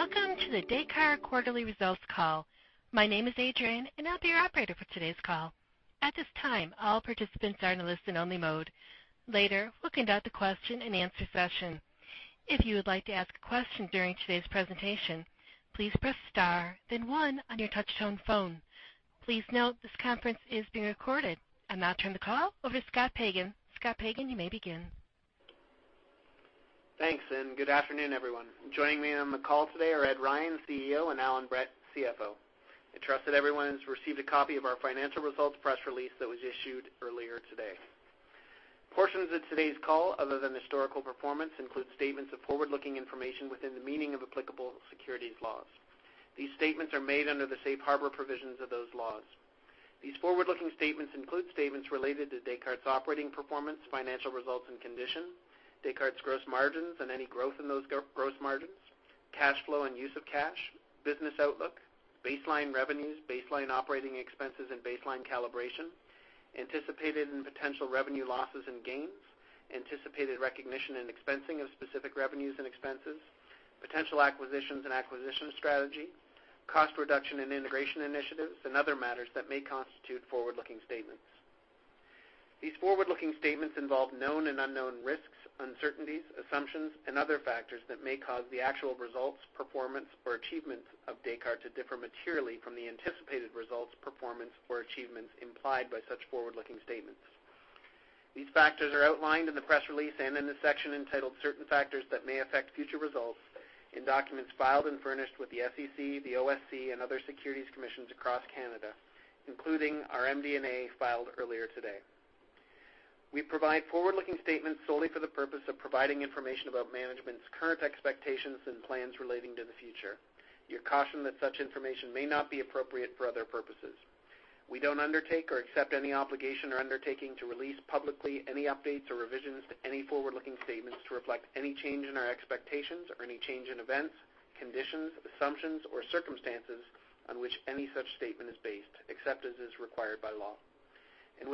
Welcome to the Descartes quarterly results call. My name is Adrian, and I'll be your operator for today's call. At this time, all participants are in a listen-only mode. Later, we'll conduct a question and answer session. If you would like to ask a question during today's presentation, please press star then one on your touch-tone phone. Please note this conference is being recorded. I'll now turn the call over to Scott Pagan. Scott Pagan, you may begin. Thanks. Good afternoon, everyone. Joining me on the call today are Ed Ryan, CEO, and Allan Brett, CFO. I trust that everyone has received a copy of our financial results press release that was issued earlier today. Portions of today's call, other than historical performance, include statements of forward-looking information within the meaning of applicable securities laws. These statements are made under the safe harbor provisions of those laws. These forward-looking statements include statements related to Descartes' operating performance, financial results and conditions, Descartes' gross margins and any growth in those gross margins, cash flow and use of cash, business outlook, baseline revenues, baseline operating expenses, and baseline calibration, anticipated and potential revenue losses and gains, anticipated recognition and expensing of specific revenues and expenses, potential acquisitions and acquisition strategy, cost reduction in integration initiatives, and other matters that may constitute forward-looking statements. These forward-looking statements involve known and unknown risks, uncertainties, assumptions, and other factors that may cause the actual results, performance, or achievements of Descartes to differ materially from the anticipated results, performance, or achievements implied by such forward-looking statements. These factors are outlined in the press release and in the section entitled "Certain Factors That May Affect Future Results" in documents filed and furnished with the SEC, the OSC, and other securities commissions across Canada, including our MD&A filed earlier today. We provide forward-looking statements solely for the purpose of providing information about management's current expectations and plans relating to the future. You're cautioned that such information may not be appropriate for other purposes.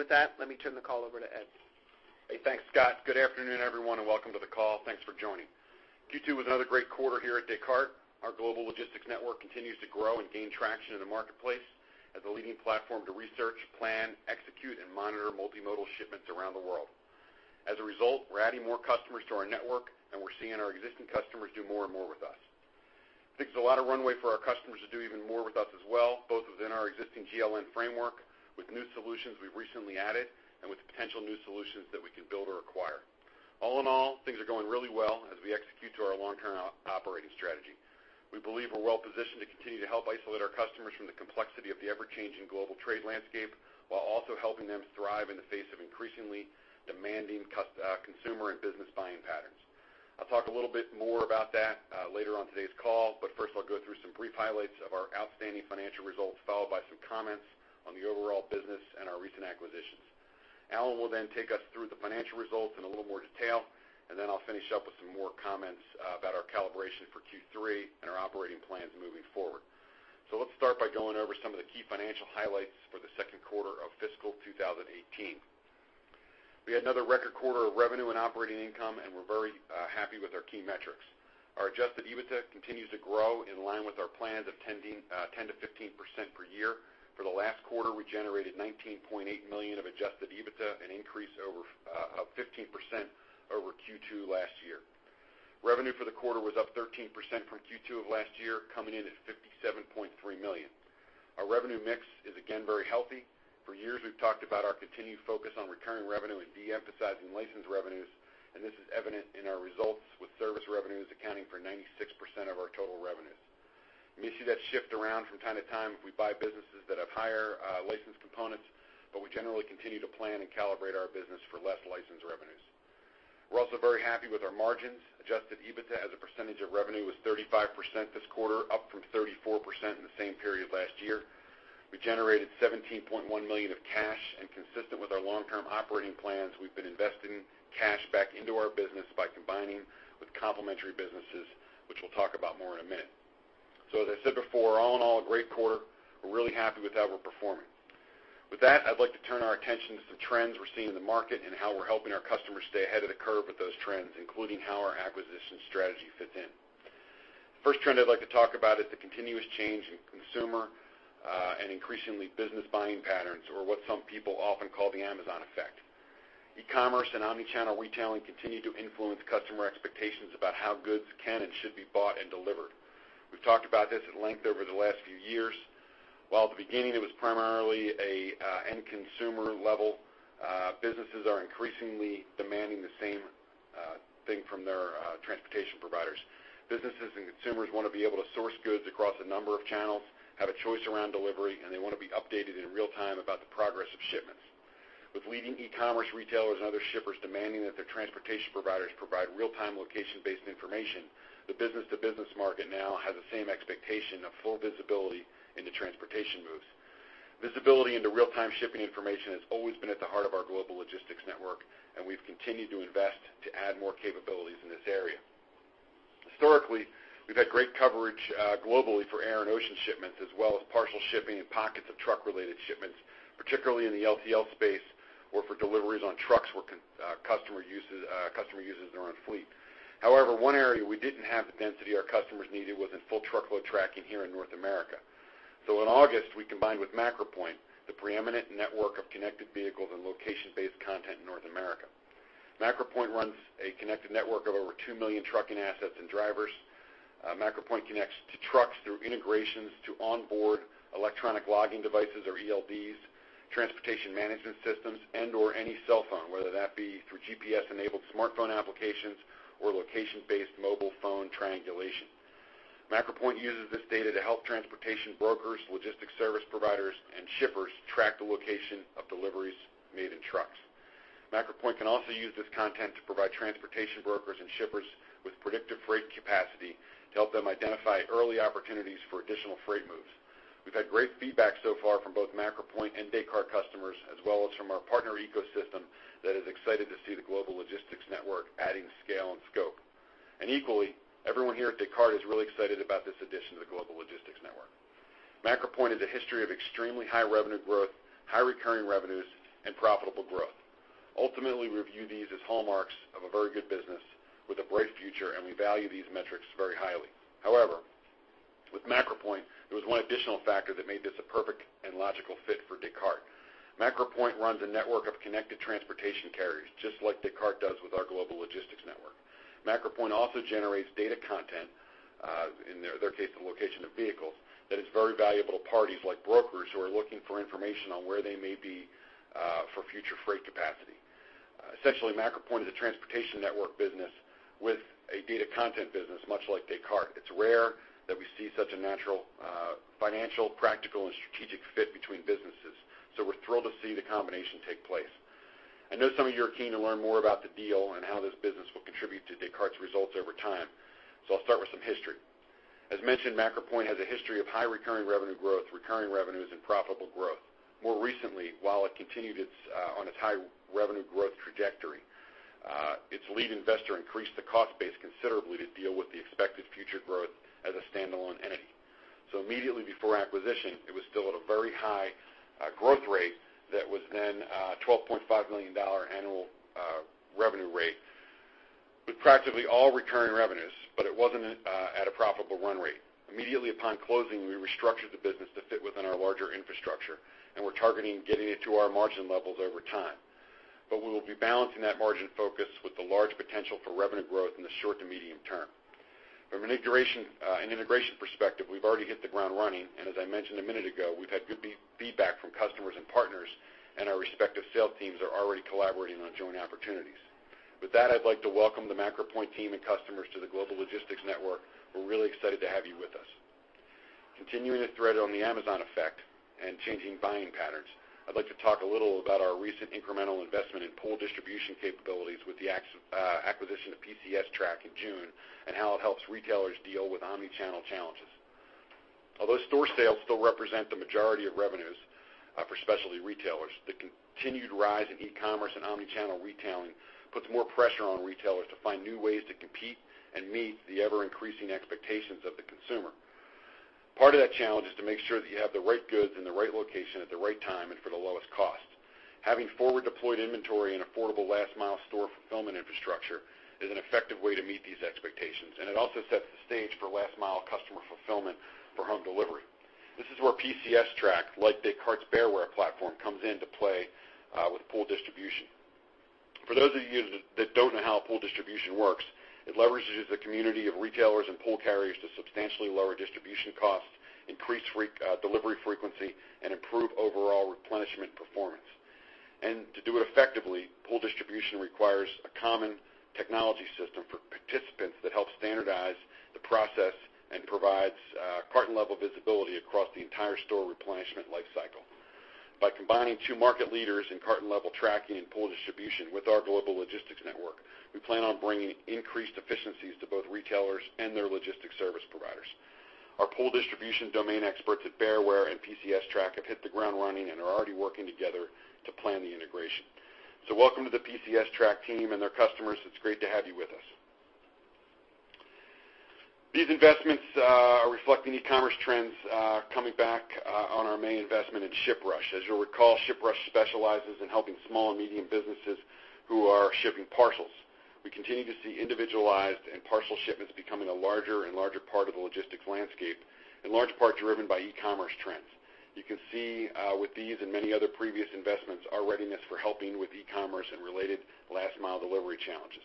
With that, let me turn the call over to Ed. Hey, thanks, Scott. Good afternoon, everyone, and welcome to the call. Thanks for joining. Q2 was another great quarter here at Descartes. Our Global Logistics Network continues to grow and gain traction in the marketplace as a leading platform to research, plan, execute, and monitor multimodal shipments around the world. As a result, we're adding more customers to our network, and we're seeing our existing customers do more and more with us. I think there's a lot of runway for our customers to do even more with us as well, both within our existing GLN framework, with new solutions we've recently added, and with potential new solutions that we can build or acquire. All in all, things are going really well as we execute to our long-term operating strategy. We believe we're well-positioned to continue to help isolate our customers from the complexity of the ever-changing global trade landscape while also helping them thrive in the face of increasingly demanding consumer and business buying patterns. I'll talk a little bit more about that later on today's call. First I'll go through some brief highlights of our outstanding financial results, followed by some comments on the overall business and our recent acquisitions. Allan will then take us through the financial results in a little more detail. Then I'll finish up with some more comments about our calibration for Q3 and our operating plans moving forward. Let's start by going over some of the key financial highlights for the second quarter of fiscal 2018. We had another record quarter of revenue and operating income, and we're very happy with our key metrics. Our adjusted EBITDA continues to grow in line with our plans of 10%-15% per year. For the last quarter, we generated $19.8 million of adjusted EBITDA, an increase of 15% over Q2 last year. Revenue for the quarter was up 13% from Q2 of last year, coming in at $57.3 million. Our revenue mix is again very healthy. For years, we've talked about our continued focus on recurring revenue and de-emphasizing license revenues, and this is evident in our results with service revenues accounting for 96% of our total revenues. You may see that shift around from time to time if we buy businesses that have higher license components. We generally continue to plan and calibrate our business for less license revenues. We're also very happy with our margins. Adjusted EBITDA as a percentage of revenue was 35% this quarter, up from 34% in the same period last year. We generated $17.1 million of cash. Consistent with our long-term operating plans, we've been investing cash back into our business by combining with complementary businesses, which we'll talk about more in a minute. As I said before, all in all, a great quarter. We're really happy with how we're performing. With that, I'd like to turn our attention to the trends we're seeing in the market and how we're helping our customers stay ahead of the curve with those trends, including how our acquisition strategy fits in. The first trend I'd like to talk about is the continuous change in consumer and increasingly business buying patterns, or what some people often call the Amazon effect. E-commerce and omni-channel retailing continue to influence customer expectations about how goods can and should be bought and delivered. We've talked about this at length over the last few years. While at the beginning, it was primarily an end consumer level, businesses are increasingly demanding the same thing from their transportation providers. Businesses and consumers want to be able to source goods across a number of channels, have a choice around delivery, and they want to be updated in real time about the progress of shipments. With leading e-commerce retailers and other shippers demanding that their transportation providers provide real-time location-based information, the business-to-business market now has the same expectation of full visibility into transportation moves. Visibility into real-time shipping information has always been at the heart of our Global Logistics Network, and we've continued to invest to add more capabilities in this area. Historically, we've had great coverage globally for air and ocean shipments, as well as partial shipping and pockets of truck-related shipments, particularly in the LTL space or for deliveries on trucks where Customer uses their own fleet. In August, we combined with MacroPoint, the preeminent network of connected vehicles and location-based content in North America. MacroPoint runs a connected network of over 2 million trucking assets and drivers. MacroPoint connects to trucks through integrations to onboard electronic logging devices or ELDs, transportation management systems, and/or any cell phone, whether that be through GPS-enabled smartphone applications or location-based mobile phone triangulation. MacroPoint uses this data to help transportation brokers, logistics service providers, and shippers track the location of deliveries made in trucks. MacroPoint can also use this content to provide transportation brokers and shippers with predictive freight capacity to help them identify early opportunities for additional freight moves. We've had great feedback so far from both MacroPoint and Descartes customers, as well as from our partner ecosystem that is excited to see the Global Logistics Network adding scale and scope. Equally, everyone here at Descartes is really excited about this addition to the Global Logistics Network. MacroPoint has a history of extremely high revenue growth, high recurring revenues, and profitable growth. Ultimately, we view these as hallmarks of a very good business with a bright future, and we value these metrics very highly. However, with MacroPoint, there was one additional factor that made this a perfect and logical fit for Descartes. MacroPoint runs a network of connected transportation carriers, just like Descartes does with our Global Logistics Network. MacroPoint also generates data content, in their case, the location of vehicles, that is very valuable to parties like brokers who are looking for information on where they may be for future freight capacity. Essentially, MacroPoint is a transportation network business with a data content business, much like Descartes. It's rare that we see such a natural financial, practical, and strategic fit between businesses. We're thrilled to see the combination take place. I know some of you are keen to learn more about the deal and how this business will contribute to Descartes' results over time, so I'll start with some history. As mentioned, MacroPoint has a history of high recurring revenue growth, recurring revenues, and profitable growth. More recently, while it continued on its high revenue growth trajectory, its lead investor increased the cost base considerably to deal with the expected future growth as a standalone entity. Immediately before acquisition, it was still at a very high growth rate that was then a $12.5 million annual revenue rate with practically all recurring revenues, but it wasn't at a profitable run rate. Immediately upon closing, we restructured the business to fit within our larger infrastructure. We're targeting getting it to our margin levels over time. We will be balancing that margin focus with the large potential for revenue growth in the short to medium term. From an integration perspective, we've already hit the ground running. As I mentioned a minute ago, we've had good feedback from customers and partners. Our respective sales teams are already collaborating on joint opportunities. With that, I'd like to welcome the MacroPoint team and customers to the Global Logistics Network. We're really excited to have you with us. Continuing to thread on the Amazon effect and changing buying patterns, I'd like to talk a little about our recent incremental investment in pool distribution capabilities with the acquisition of PCSTrac in June and how it helps retailers deal with omni-channel challenges. Although store sales still represent the majority of revenues for specialty retailers, the continued rise in e-commerce and omni-channel retailing puts more pressure on retailers to find new ways to compete and meet the ever-increasing expectations of the consumer. Part of that challenge is to make sure that you have the right goods in the right location at the right time and for the lowest cost. Having forward-deployed inventory and affordable last-mile store fulfillment infrastructure is an effective way to meet these expectations. It also sets the stage for last-mile customer fulfillment for home delivery. This is where PCSTrac, like Descartes' Bearware platform, comes into play with pool distribution. For those of you that don't know how pool distribution works, it leverages the community of retailers and pool carriers to substantially lower distribution costs, increase delivery frequency, and improve overall replenishment performance. To do it effectively, pool distribution requires a common technology system for participants that help standardize the process and provides carton-level visibility across the entire store replenishment life cycle. By combining two market leaders in carton-level tracking and pool distribution with our Global Logistics Network, we plan on bringing increased efficiencies to both retailers and their logistics service providers. Our pool distribution domain experts at Bearware and PCSTrac have hit the ground running and are already working together to plan the integration. Welcome to the PCSTrac team and their customers. It's great to have you with us. These investments are reflecting e-commerce trends coming back on our main investment in ShipRush. As you'll recall, ShipRush specializes in helping small and medium businesses who are shipping parcels. We continue to see individualized and parcel shipments becoming a larger and larger part of the logistics landscape, in large part driven by e-commerce trends. You can see with these and many other previous investments our readiness for helping with e-commerce and related last-mile delivery challenges.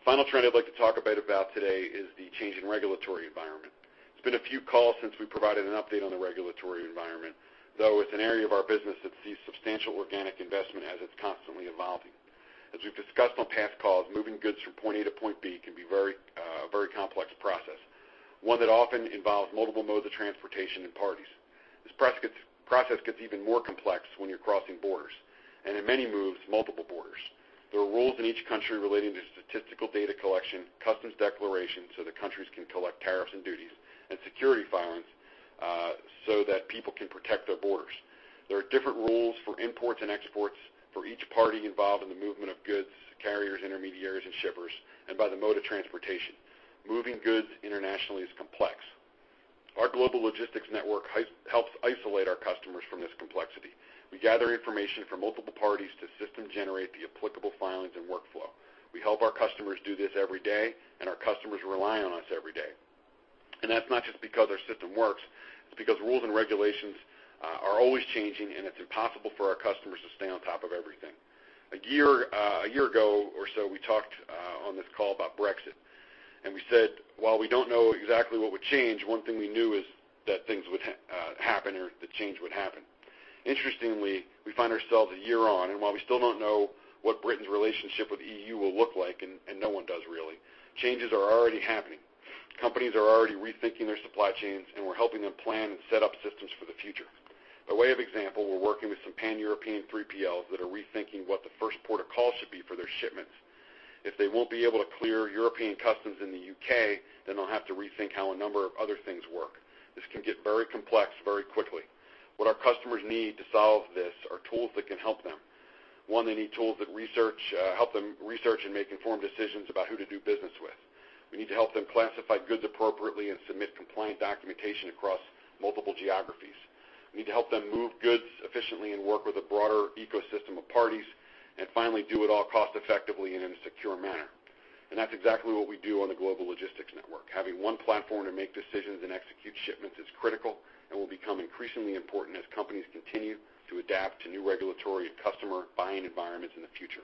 The final trend I'd like to talk a bit about today is the change in regulatory environment. It's been a few calls since we provided an update on the regulatory environment, though it's an area of our business that sees substantial organic investment as it's constantly evolving. As we've discussed on past calls, moving goods from point A to point B can be a very complex process, one that often involves multiple modes of transportation and parties. This process gets even more complex when you're crossing borders, and in many moves, multiple borders. There are rules in each country relating to statistical data collection, customs declarations so that countries can collect tariffs and duties, and security filings so that people can protect their borders. There are different rules for imports and exports for each party involved in the movement of goods, carriers, intermediaries, and shippers, and by the mode of transportation. Moving goods internationally is complex. Our Global Logistics Network helps isolate our customers from this complexity. We gather information from multiple parties to system generate the applicable filings and workflow. We help our customers do this every day, and our customers rely on us every day. That's not just because our system works. It's because rules and regulations are always changing, and it's impossible for our customers to stay on top of everything. A year ago or so, we talked on this call about Brexit, and we said, while we don't know exactly what would change, one thing we knew is that things would happen or that change would happen. Interestingly, we find ourselves a year on, while we still don't know what Britain's relationship with EU will look like, no one does really, changes are already happening. Companies are already rethinking their supply chains, we're helping them plan and set up systems for the future. By way of example, we're working with some pan-European 3PLs that are rethinking what the first port of call should be for their shipments. If they won't be able to clear European customs in the U.K., then they'll have to rethink how a number of other things work. This can get very complex very quickly. What our customers need to solve this are tools that can help them. One, they need tools that help them research and make informed decisions about who to do business with. We need to help them classify goods appropriately and submit compliant documentation across multiple geographies. We need to help them move goods efficiently and work with a broader ecosystem of parties, and finally, do it all cost-effectively and in a secure manner. That's exactly what we do on the Global Logistics Network. Having one platform to make decisions and execute shipments is critical and will become increasingly important as companies continue to adapt to new regulatory and customer buying environments in the future.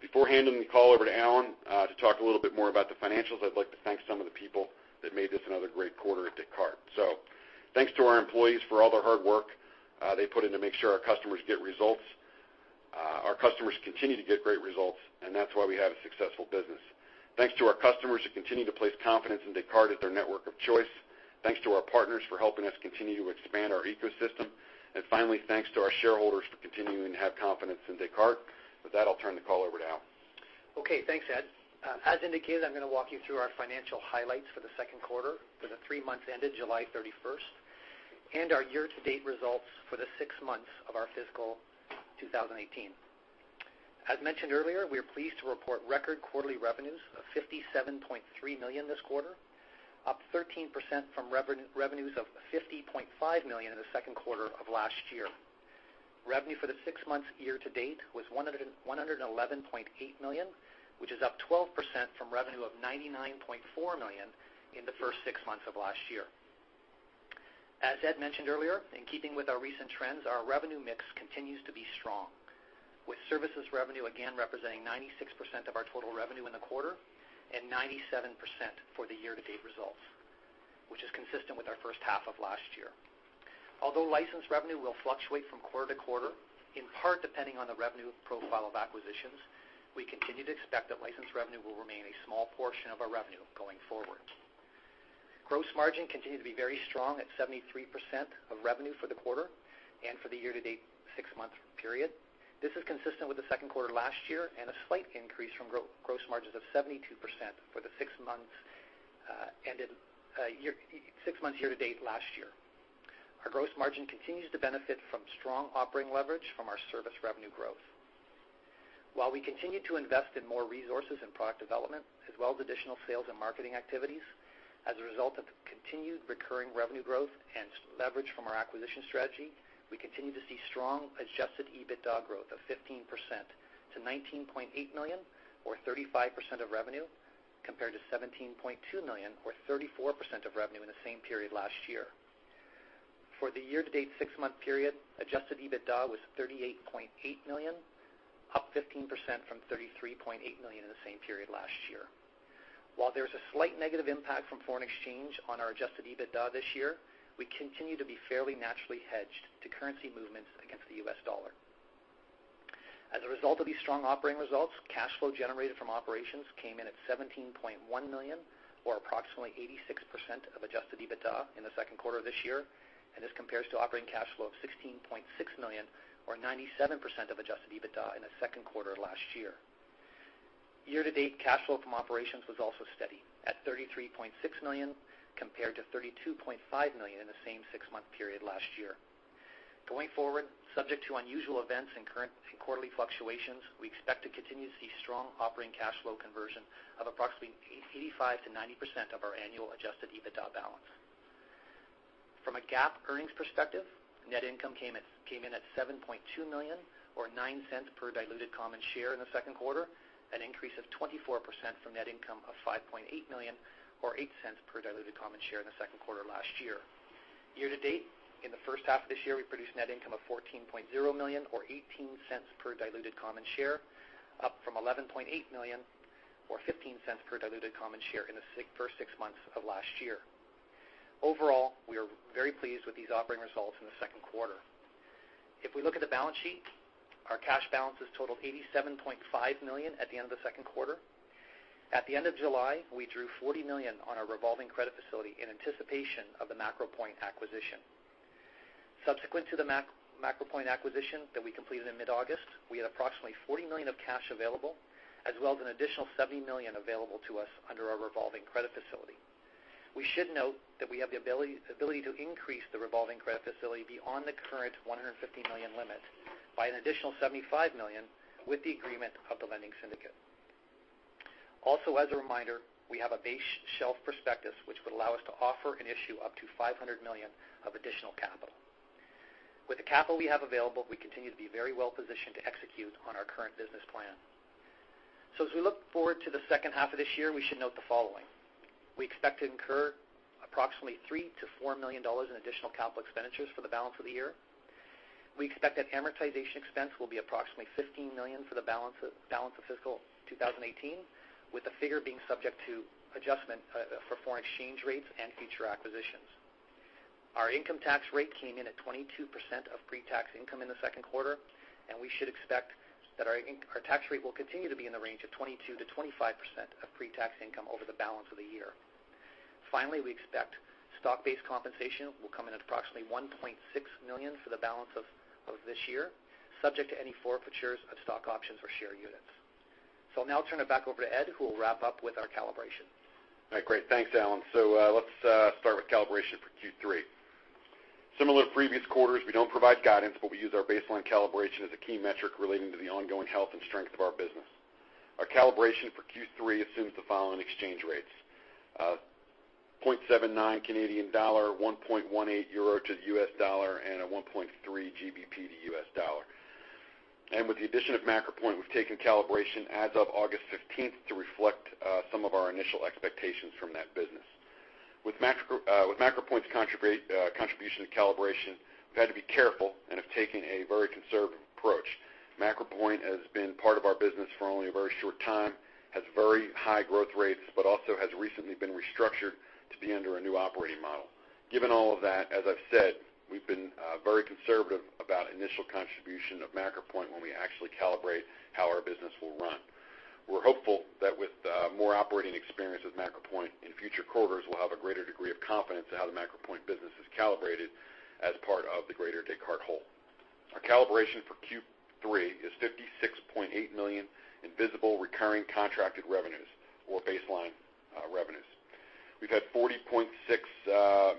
Before handing the call over to Allan to talk a little bit more about the financials, I'd like to thank some of the people that made this another great quarter at Descartes. Thanks to our employees for all their hard work they put in to make sure our customers get results. Our customers continue to get great results, and that's why we have a successful business. Thanks to our customers who continue to place confidence in Descartes as their network of choice. Thanks to our partners for helping us continue to expand our ecosystem. Finally, thanks to our shareholders for continuing to have confidence in Descartes. With that, I'll turn the call over to Allan. Okay, thanks, Ed. As indicated, I'm going to walk you through our financial highlights for the second quarter for the three months ended July 31st and our year-to-date results for the six months of our fiscal 2018. As mentioned earlier, we are pleased to report record quarterly revenues of $57.3 million this quarter, up 13% from revenues of $50.5 million in the second quarter of last year. Revenue for the six months year-to-date was $111.8 million, which is up 12% from revenue of $99.4 million in the first six months of last year. As Ed mentioned earlier, in keeping with our recent trends, our revenue mix continues to be strong, with services revenue again representing 96% of our total revenue in the quarter and 97% for the year-to-date results, which is consistent with our first half of last year. Although license revenue will fluctuate from quarter to quarter, in part depending on the revenue profile of acquisitions, we continue to expect that license revenue will remain a small portion of our revenue going forward. Gross margin continued to be very strong at 73% of revenue for the quarter and for the year-to-date six-month period. This is consistent with the second quarter last year and a slight increase from gross margins of 72% for the six months year-to-date last year. Our gross margin continues to benefit from strong operating leverage from our service revenue growth. While we continue to invest in more resources and product development as well as additional sales and marketing activities, as a result of continued recurring revenue growth and leverage from our acquisition strategy, we continue to see strong adjusted EBITDA growth of 15% to $19.8 million or 35% of revenue, compared to $17.2 million or 34% of revenue in the same period last year. For the year-to-date six-month period, adjusted EBITDA was $38.8 million, up 15% from $33.8 million in the same period last year. While there's a slight negative impact from foreign exchange on our adjusted EBITDA this year, we continue to be fairly naturally hedged to currency movements against the U.S. dollar. As a result of these strong operating results, cash flow generated from operations came in at $17.1 million or approximately 86% of adjusted EBITDA in the second quarter of this year, and this compares to operating cash flow of $16.6 million or 97% of adjusted EBITDA in the second quarter last year. Year-to-date cash flow from operations was also steady at $33.6 million compared to $32.5 million in the same six-month period last year. Going forward, subject to unusual events and current quarterly fluctuations, we expect to continue to see strong operating cash flow conversion of approximately 85%-90% of our annual adjusted EBITDA balance. From a GAAP earnings perspective, net income came in at $7.2 million or $0.09 per diluted common share in the second quarter, an increase of 24% from net income of $5.8 million or $0.08 per diluted common share in the second quarter last year. Year-to-date, in the first half of this year, we produced net income of $14.0 million or $0.18 per diluted common share, up from $11.8 million or $0.15 per diluted common share in the first six months of last year. Overall, we are very pleased with these operating results in the second quarter. If we look at the balance sheet, our cash balances totaled $87.5 million at the end of the second quarter. At the end of July, we drew $40 million on our revolving credit facility in anticipation of the MacroPoint acquisition. Subsequent to the MacroPoint acquisition that we completed in mid-August, we had approximately $40 million of cash available, as well as an additional $70 million available to us under our revolving credit facility. We should note that we have the ability to increase the revolving credit facility beyond the current $150 million limit by an additional $75 million with the agreement of the lending syndicate. Also, as a reminder, we have a base shelf prospectus, which would allow us to offer and issue up to $500 million of additional capital. As we look forward to the second half of this year, we should note the following. We expect to incur approximately $3 million-$4 million in additional capital expenditures for the balance of the year. We expect that amortization expense will be approximately $15 million for the balance of fiscal 2018, with the figure being subject to adjustment for foreign exchange rates and future acquisitions. Our income tax rate came in at 22% of pre-tax income in the second quarter, and we should expect that our tax rate will continue to be in the range of 22%-25% of pre-tax income over the balance of the year. Finally, we expect stock-based compensation will come in at approximately $1.6 million for the balance of this year, subject to any forfeitures of stock options or share units. I'll now turn it back over to Ed, who will wrap up with our calibration. Great. Thanks, Allan. Let's start with calibration for Q3. Similar to previous quarters, we don't provide guidance, but we use our baseline calibration as a key metric relating to the ongoing health and strength of our business. Our calibration for Q3 assumes the following exchange rates: 0.79 Canadian dollar, 1.18 euro to the US dollar, and 1.3 GBP to US dollar. With the addition of MacroPoint, we've taken calibration as of August 15th to reflect some of our initial expectations from that business. With MacroPoint's contribution to calibration, we've had to be careful and have taken a very conservative approach. MacroPoint has been part of our business for only a very short time, has very high growth rates, but also has recently been restructured to be under a new operating model. Given all of that, as I've said, we've been very conservative about initial contribution of MacroPoint when we actually calibrate how our business will run. We're hopeful that with more operating experience with MacroPoint in future quarters, we'll have a greater degree of confidence in how the MacroPoint business is calibrated as part of the greater Descartes whole. Our calibration for Q3 is $56.8 million in visible recurring contracted revenues or baseline revenues. We've had $40.6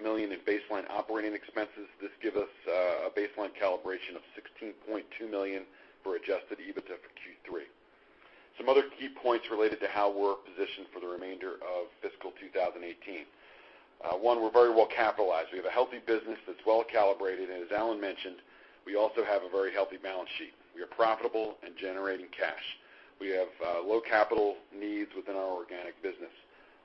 million in baseline operating expenses. This gives us a baseline calibration of $16.2 million for adjusted EBITDA for Q3. Some other key points related to how we're positioned for the remainder of fiscal 2018. One, we're very well capitalized. We have a healthy business that's well calibrated, and as Allan mentioned, we also have a very healthy balance sheet. We are profitable and generating cash. We have low capital needs within our organic business.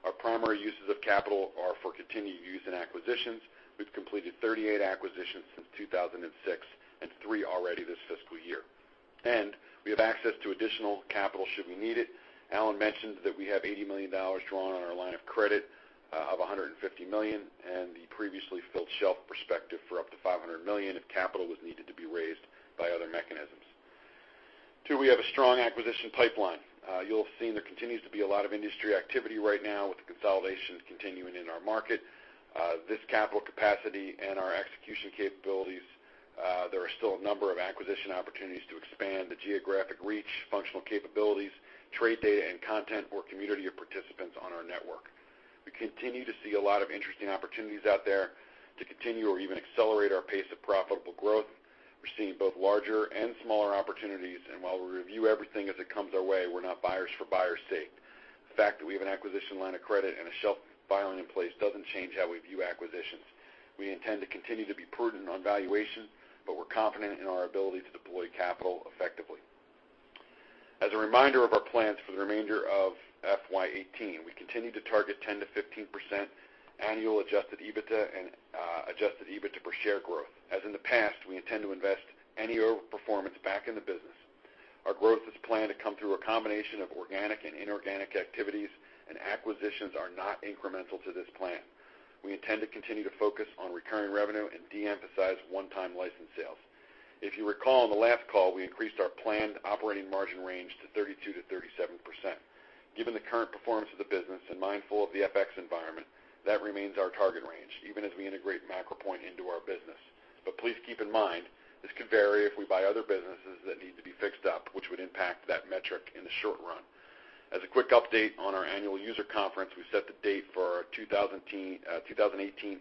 Our primary uses of capital are for continued use in acquisitions. We've completed 38 acquisitions since 2006, and three already this fiscal year. We have access to additional capital should we need it. Allan mentioned that we have $80 million drawn on our line of credit of $150 million, and the previously filed shelf prospectus for up to $500 million if capital was needed to be raised by other mechanisms. Two, we have a strong acquisition pipeline. You'll have seen there continues to be a lot of industry activity right now with the consolidations continuing in our market. This capital capacity and our execution capabilities, there are still a number of acquisition opportunities to expand the geographic reach, functional capabilities, trade data and content or community of participants on our network. We continue to see a lot of interesting opportunities out there to continue or even accelerate our pace of profitable growth. We're seeing both larger and smaller opportunities, and while we review everything as it comes our way, we're not buyers for buyers' sake. The fact that we have an acquisition line of credit and a shelf filing in place doesn't change how we view acquisitions. We intend to continue to be prudent on valuation, but we're confident in our ability to deploy capital effectively. As a reminder of our plans for the remainder of FY 2018, we continue to target 10%-15% annual adjusted EBITDA and adjusted EBITDA per share growth. As in the past, we intend to invest any overperformance back in the business. Our growth is planned to come through a combination of organic and inorganic activities, and acquisitions are not incremental to this plan. We intend to continue to focus on recurring revenue and de-emphasize one-time license sales. If you recall, on the last call, we increased our planned operating margin range to 32%-37%. Given the current performance of the business and mindful of the FX environment, that remains our target range, even as we integrate MacroPoint into our business. Please keep in mind, this could vary if we buy other businesses that need to be fixed up, which would impact that metric in the short run. As a quick update on our annual user conference, we set the date for our 2018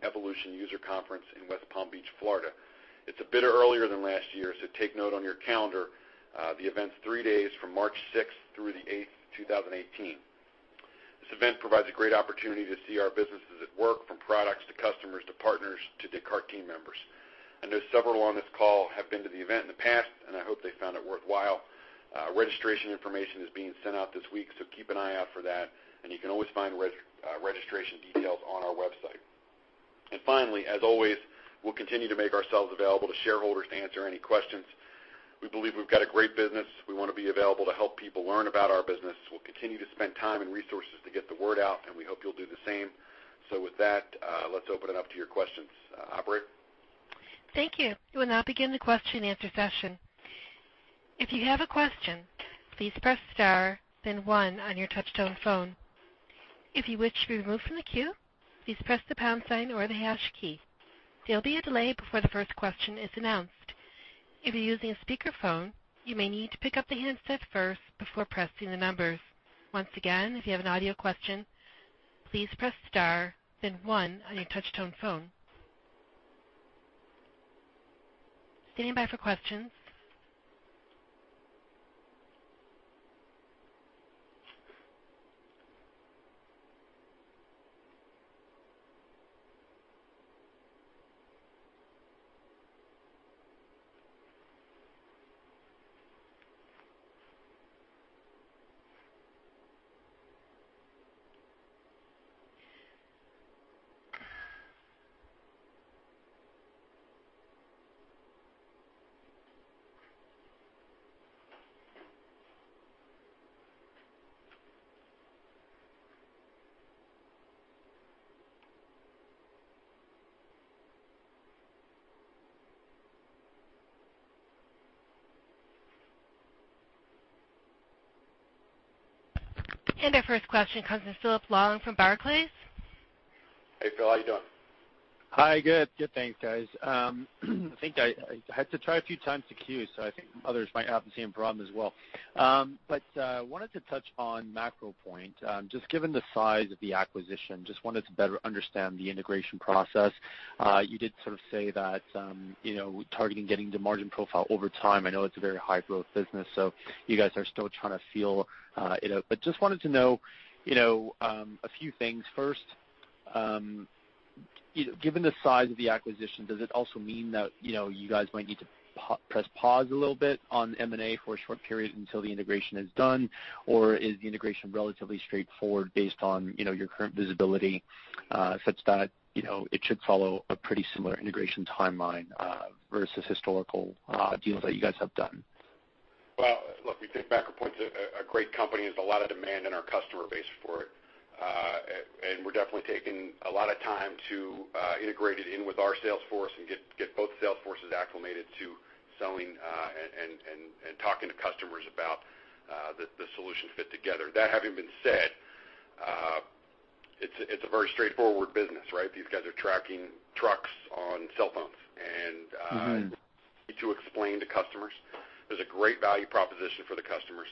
Evolution User Conference in West Palm Beach, Florida. It's a bit earlier than last year, so take note on your calendar. The event's three days from March 6th through the 8th, 2018. This event provides a great opportunity to see our businesses at work, from products to customers to partners to Descartes team members. I know several on this call have been to the event in the past, and I hope they found it worthwhile. Registration information is being sent out this week, so keep an eye out for that, and you can always find registration details on our website. Finally, as always, we'll continue to make ourselves available to shareholders to answer any questions. We believe we've got a great business. We want to be available to help people learn about our business. We'll continue to spend time and resources to get the word out, and we hope you'll do the same. With that, let's open it up to your questions. Operator? Thank you. We'll now begin the question and answer session. If you have a question, please press star then one on your touchtone phone. If you wish to be removed from the queue, please press the pound sign or the hash key. There'll be a delay before the first question is announced. If you're using a speakerphone, you may need to pick up the handset first before pressing the numbers. Once again, if you have an audio question, please press star then one on your touchtone phone. Standing by for questions. Our first question comes from Philip Huang from Barclays. Hey, Phil, how you doing? Hi. Good, thanks, guys. I had to try a few times to queue, so I think others might have the same problem as well. Wanted to touch on MacroPoint. Just given the size of the acquisition, just wanted to better understand the integration process. You did sort of say that we're targeting getting the margin profile over time. I know it's a very high-growth business, so you guys are still trying to feel it out. Just wanted to know a few things. First, given the size of the acquisition, does it also mean that you guys might need to press pause a little bit on M&A for a short period until the integration is done? Or is the integration relatively straightforward based on your current visibility, such that it should follow a pretty similar integration timeline versus historical deals that you guys have done? Well, look, we think MacroPoint's a great company. There's a lot of demand in our customer base for it. We're definitely taking a lot of time to integrate it in with our sales force and get both sales forces acclimated to selling and talking to customers about the solution fit together. That having been said, it's a very straightforward business, right? These guys are tracking trucks on cell phones. It's easy to explain to customers. There's a great value proposition for the customers.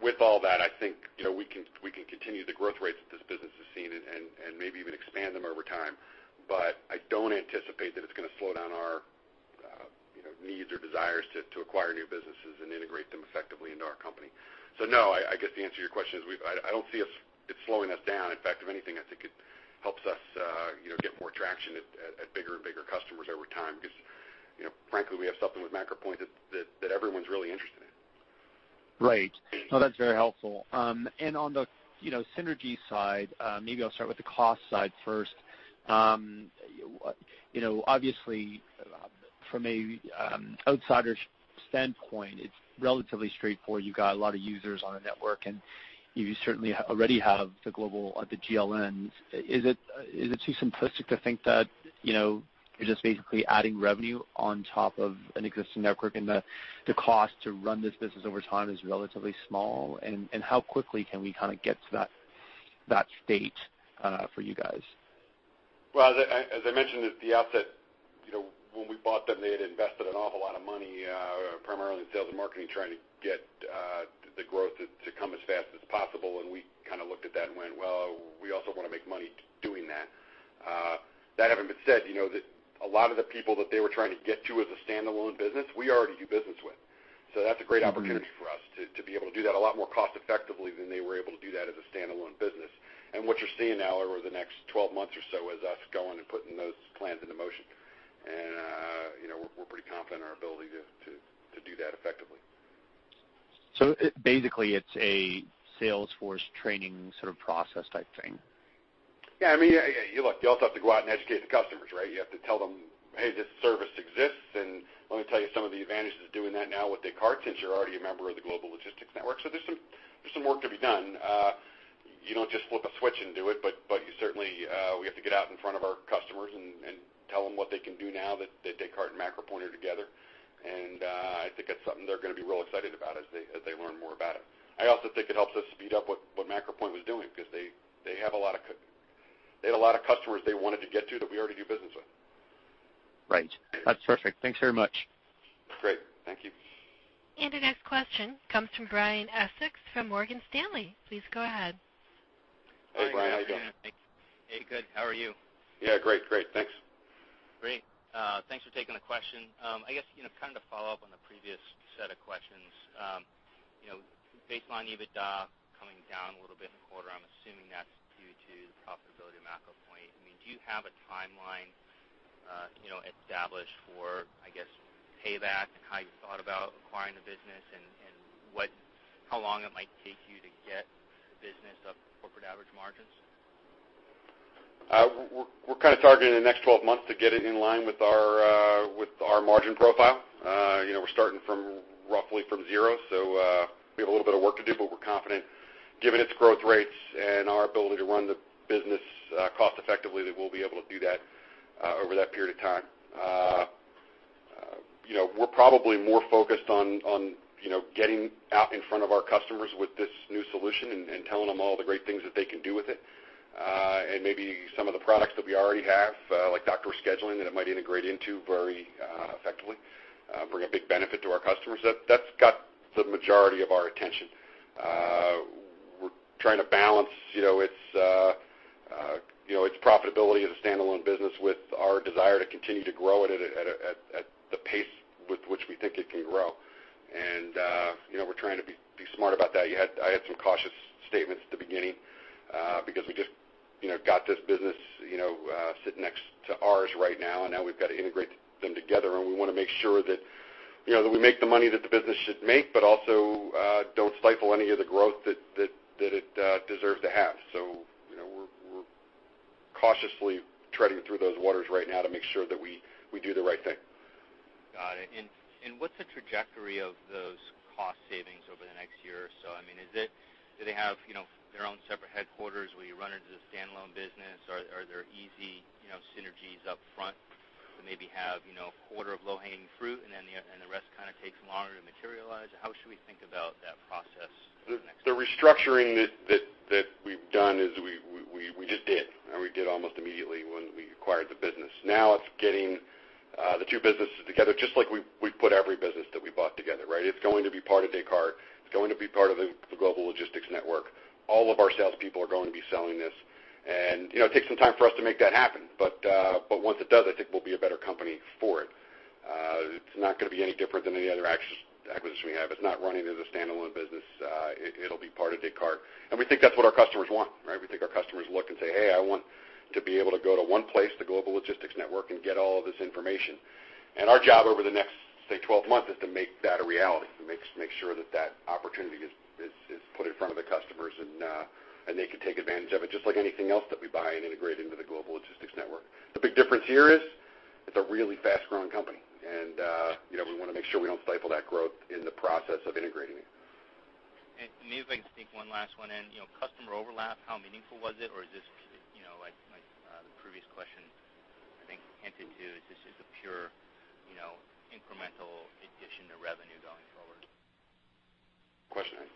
With all that, I think we can continue the growth rates that this business is seeing and maybe even expand them over time. I don't anticipate that it's going to slow down our needs or desires to acquire new businesses and integrate them effectively into our company. No, I guess the answer to your question is I don't see it slowing us down. In fact, if anything, I think it helps us get more traction at bigger and bigger customers over time because, frankly, we have something with MacroPoint that everyone's really interested in. Right. No, that's very helpful. On the synergy side, maybe I'll start with the cost side first. Obviously, from an outsider's standpoint, it's relatively straightforward. You got a lot of users on a network, you certainly already have the GLNs. Is it too simplistic to think that you're just basically adding revenue on top of an existing network, the cost to run this business over time is relatively small? How quickly can we get to that state for you guys? Well, as I mentioned at the outset, when we bought them, they had invested an awful lot of money, primarily in sales and marketing, trying to get the growth to come as fast as possible, we kind of looked at that and went, "Well, we also want to make money doing that." That having been said, a lot of the people that they were trying to get to as a standalone business, we already do business with. That's a great opportunity for us to be able to do that a lot more cost effectively than they were able to do that as a standalone business. What you're seeing now over the next 12 months or so is us going and putting those plans into motion. We're pretty confident in our ability to do that effectively. Basically, it's a sales force training sort of process type thing. Look, you also have to go out and educate the customers, right? You have to tell them, "Hey, this service exists, and let me tell you some of the advantages of doing that now with Descartes since you're already a member of the Global Logistics Network." There's some work to be done. You don't just flip a switch and do it, but certainly, we have to get out in front of our customers and tell them what they can do now that Descartes and MacroPoint are together. I think that's something they're going to be real excited about as they learn more about it. I also think it helps us speed up what MacroPoint was doing because they had a lot of customers they wanted to get to that we already do business with. Right. That's perfect. Thanks very much. Great. Thank you. The next question comes from Brian Essex from Morgan Stanley. Please go ahead. Hey, Brian, how you doing? Hey, good. How are you? Yeah, great. Thanks. Great. Thanks for taking the question. To follow up on the previous set of questions. Based on EBITDA coming down a little bit in the quarter, I'm assuming that's due to the profitability of MacroPoint. Do you have a timeline established for payback and how you thought about acquiring the business and how long it might take you to get the business up to corporate average margins? We're targeting the next 12 months to get it in line with our margin profile. We're starting roughly from zero, so we have a little bit of work to do, but we're confident, given its growth rates and our ability to run the business cost effectively, that we'll be able to do that over that period of time. We're probably more focused on getting out in front of our customers with this new solution and telling them all the great things that they can do with it, and maybe some of the products that we already have, like dock door scheduling, that it might integrate into very effectively, bring a big benefit to our customers. That's got the majority of our attention. We're trying to balance its profitability as a standalone business with our desire to continue to grow it at the pace with which we think it can grow. We're trying to be smart about that. I had some cautious statements at the beginning because we just got this business sitting next to ours right now, and now we've got to integrate them together, and we want to make sure that we make the money that the business should make, but also don't stifle any of the growth that it deserves to have. We're cautiously treading through those waters right now to make sure that we do the right thing. Got it. What's the trajectory of those cost savings over the next year or so? Do they have their own separate headquarters where you run it as a standalone business, or are there easy synergies up front that maybe have a quarter of low-hanging fruit, and then the rest takes longer to materialize? How should we think about that process over the next year? The restructuring that we've done is we just did, and we did almost immediately when we acquired the business. It's getting the two businesses together, just like we've put every business that we bought together. It's going to be part of Descartes. It's going to be part of the Global Logistics Network. All of our salespeople are going to be selling this. It takes some time for us to make that happen. Once it does, I think we'll be a better company for it. It's not going to be any different than any other acquisition we have. It's not running as a standalone business. It'll be part of Descartes. We think that's what our customers want. We think our customers look and say, "Hey, I want to be able to go to one place, the Global Logistics Network, and get all of this information." Our job over the next, say, 12 months is to make that a reality, to make sure that that opportunity is put in front of the customers, and they can take advantage of it just like anything else that we buy and integrate into the Global Logistics Network. The big difference here is it's a really fast-growing company. We want to make sure we don't stifle that growth in the process of integrating it. Maybe if I can sneak one last one in. Customer overlap, how meaningful was it, or is this like the previous question I think hinted to? Is this just a pure incremental addition to revenue going forward? Good question.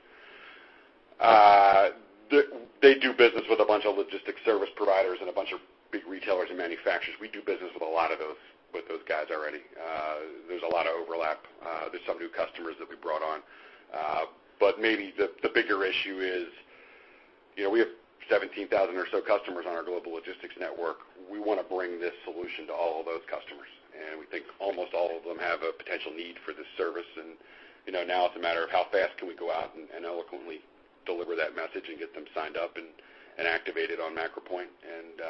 They do business with a bunch of logistics service providers and a bunch of big retailers and manufacturers. We do business with a lot of those guys already. There's a lot of overlap. There are some new customers that we brought on. Maybe the bigger issue is we have 17,000 or so customers on our Global Logistics Network. We want to bring this solution to all of those customers, and we think almost all of them have a potential need for this service. Now it's a matter of how fast can we go out and eloquently deliver that message and get them signed up and activated on MacroPoint and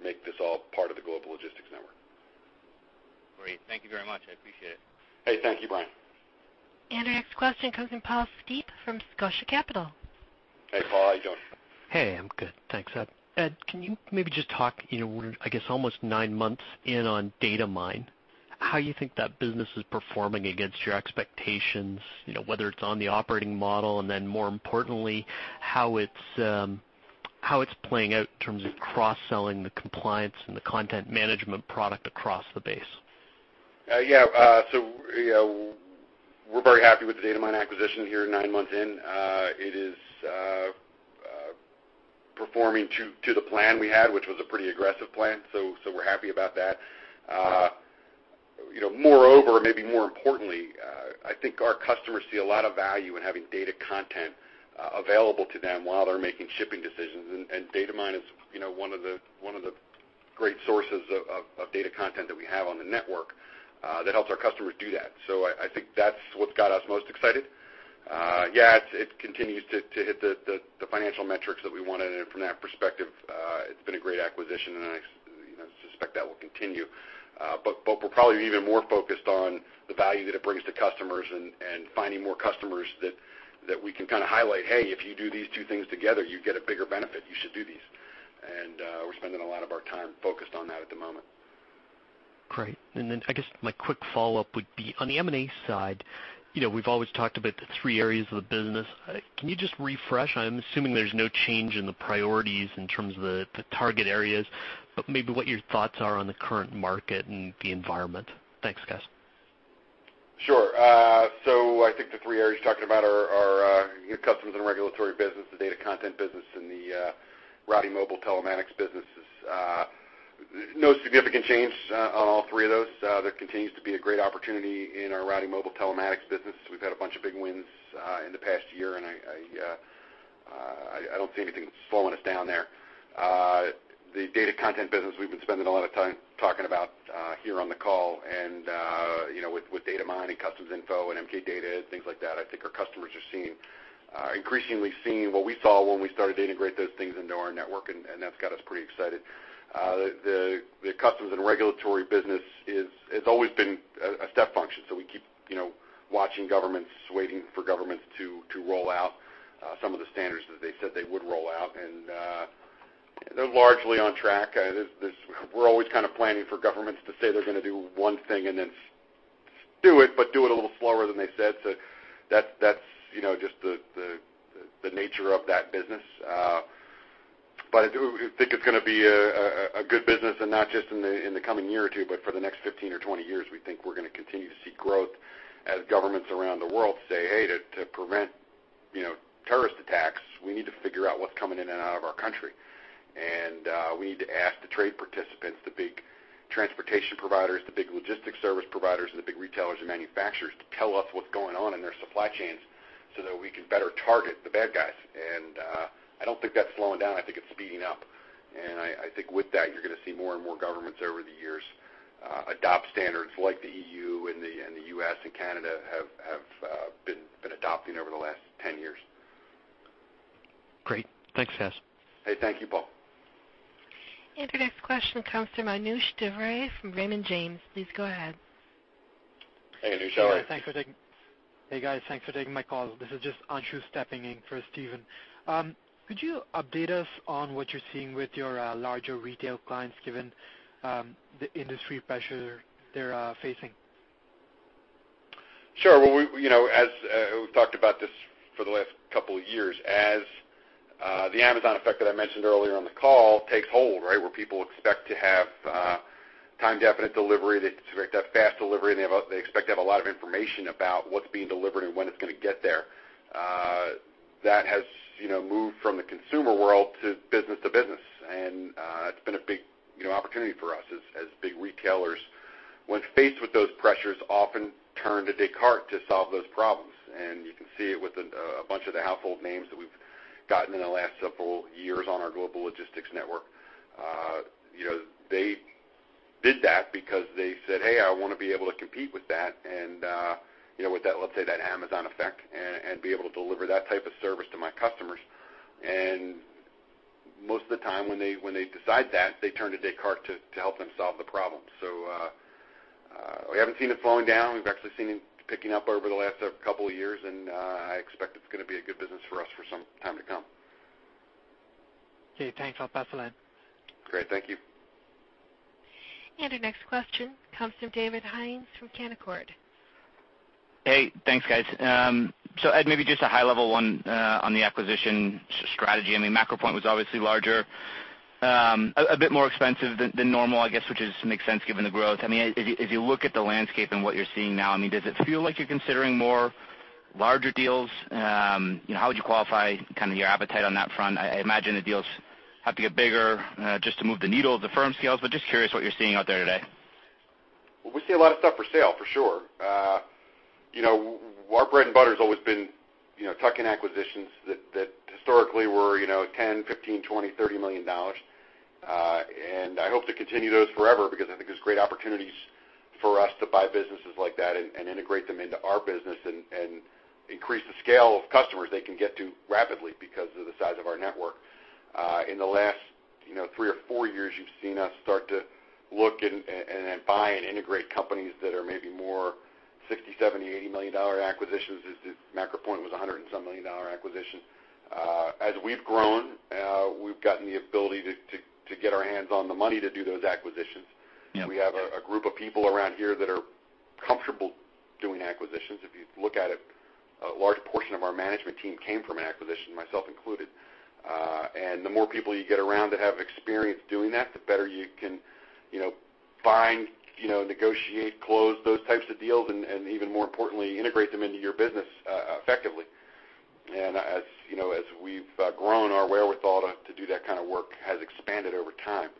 make this all part of the Global Logistics Network. Great. Thank you very much. I appreciate it. Hey, thank you, Brian. Our next question comes from Paul Steep from Scotia Capital. Hey, Paul. How you doing? Hey, I'm good. Thanks, Ed. Ed, can you maybe just talk, we're I guess almost nine months in on Datamyne, how you think that business is performing against your expectations? Whether it's on the operating model, and then more importantly, how it's playing out in terms of cross-selling the compliance and the content management product across the base? Yeah. We're very happy with the Datamyne acquisition here nine months in. It is performing to the plan we had, which was a pretty aggressive plan. We're happy about that. Moreover, maybe more importantly, I think our customers see a lot of value in having data content available to them while they're making shipping decisions. Datamyne is one of the great sources of data content that we have on the network that helps our customers do that. I think that's what's got us most excited. Yeah, it continues to hit the financial metrics that we wanted, and from that perspective, it's been a great acquisition, and I suspect that will continue. We're probably even more focused on the value that it brings to customers and finding more customers that we can kind of highlight, "Hey, if you do these two things together, you get a bigger benefit. You should do these." We're spending a lot of our time focused on that at the moment. Great. I guess my quick follow-up would be on the M&A side, we've always talked about the three areas of the business. Can you just refresh? I'm assuming there's no change in the priorities in terms of the target areas, but maybe what your thoughts are on the current market and the environment. Thanks, guys. Sure. I think the three areas you're talking about are your customs and regulatory business, the data content business, and the routing mobile telematics businesses. No significant change on all three of those. There continues to be a great opportunity in our routing mobile telematics business. We've had a bunch of big wins in the past year, and I don't see anything slowing us down there. The data content business we've been spending a lot of time talking about here on the call, and with Datamyne and Customs Info and MK Data and things like that, I think our customers are increasingly seeing what we saw when we started to integrate those things into our network, and that's got us pretty excited. The customs and regulatory business has always been a step function. We keep watching governments, waiting for governments to roll out some of the standards that they said they would roll out. They're largely on track. We're always kind of planning for governments to say they're going to do one thing and then do it, do it a little slower than they said. That's just the nature of that business. I do think it's going to be a good business, not just in the coming year or two, but for the next 15 or 20 years, we think we're going to continue to see growth as governments around the world say, "Hey, to prevent terrorist attacks, we need to figure out what's coming in and out of our country. We need to ask the trade participants to be Transportation providers, the big logistics service providers, and the big retailers and manufacturers to tell us what's going on in their supply chains so that we can better target the bad guys. I don't think that's slowing down. I think it's speeding up. I think with that, you're going to see more and more governments over the years adopt standards like the EU and the U.S. and Canada have been adopting over the last 10 years. Great. Thanks, Chas. Hey, thank you, Paul. The next question comes from Anoush Daryanani from Raymond James. Please go ahead. Hey, Anoush, how are you? Hey, guys. Thanks for taking my call. This is just Anoush stepping in for Steven. Could you update us on what you're seeing with your larger retail clients, given the industry pressure they're facing? Sure. Well, we've talked about this for the last couple of years. As the Amazon effect that I mentioned earlier on the call takes hold, where people expect to have time definite delivery, they expect to have fast delivery, and they expect to have a lot of information about what's being delivered and when it's going to get there. That has moved from the consumer world to business to business, and it's been a big opportunity for us as big retailers. When faced with those pressures, often turn to Descartes to solve those problems, and you can see it with a bunch of the household names that we've gotten in the last several years on our Global Logistics Network. They did that because they said, "Hey, I want to be able to compete with that, and with, let's say, that Amazon effect, and be able to deliver that type of service to my customers." Most of the time, when they decide that, they turn to Descartes to help them solve the problem. We haven't seen it slowing down. We've actually seen it picking up over the last couple of years, and I expect it's going to be a good business for us for some time to come. Okay, thanks. I'll pass along. Great. Thank you. The next question comes from David Hynes from Canaccord. Hey, thanks, guys. Ed, maybe just a high level one on the acquisition strategy. MacroPoint was obviously larger, a bit more expensive than normal, I guess, which makes sense given the growth. If you look at the landscape and what you're seeing now, does it feel like you're considering more larger deals? How would you qualify your appetite on that front? I imagine the deals have to get bigger just to move the needle of the firm scales, but just curious what you're seeing out there today. We see a lot of stuff for sale, for sure. Our bread and butter has always been tuck-in acquisitions that historically were $10 million, $15 million, $20 million, $30 million. I hope to continue those forever because I think there's great opportunities for us to buy businesses like that and integrate them into our business and increase the scale of customers they can get to rapidly because of the size of our network. In the last three or four years, you've seen us start to look and buy and integrate companies that are maybe more $60 million, $70 million, $80 million acquisitions. MacroPoint was a $107 million acquisition. As we've grown, we've gotten the ability to get our hands on the money to do those acquisitions. Yeah. We have a group of people around here that are comfortable doing acquisitions. If you look at it, a large portion of our management team came from an acquisition, myself included. The more people you get around that have experience doing that, the better you can find, negotiate, close those types of deals, and even more importantly, integrate them into your business effectively. As we've grown, our wherewithal to do that kind of work has expanded over time.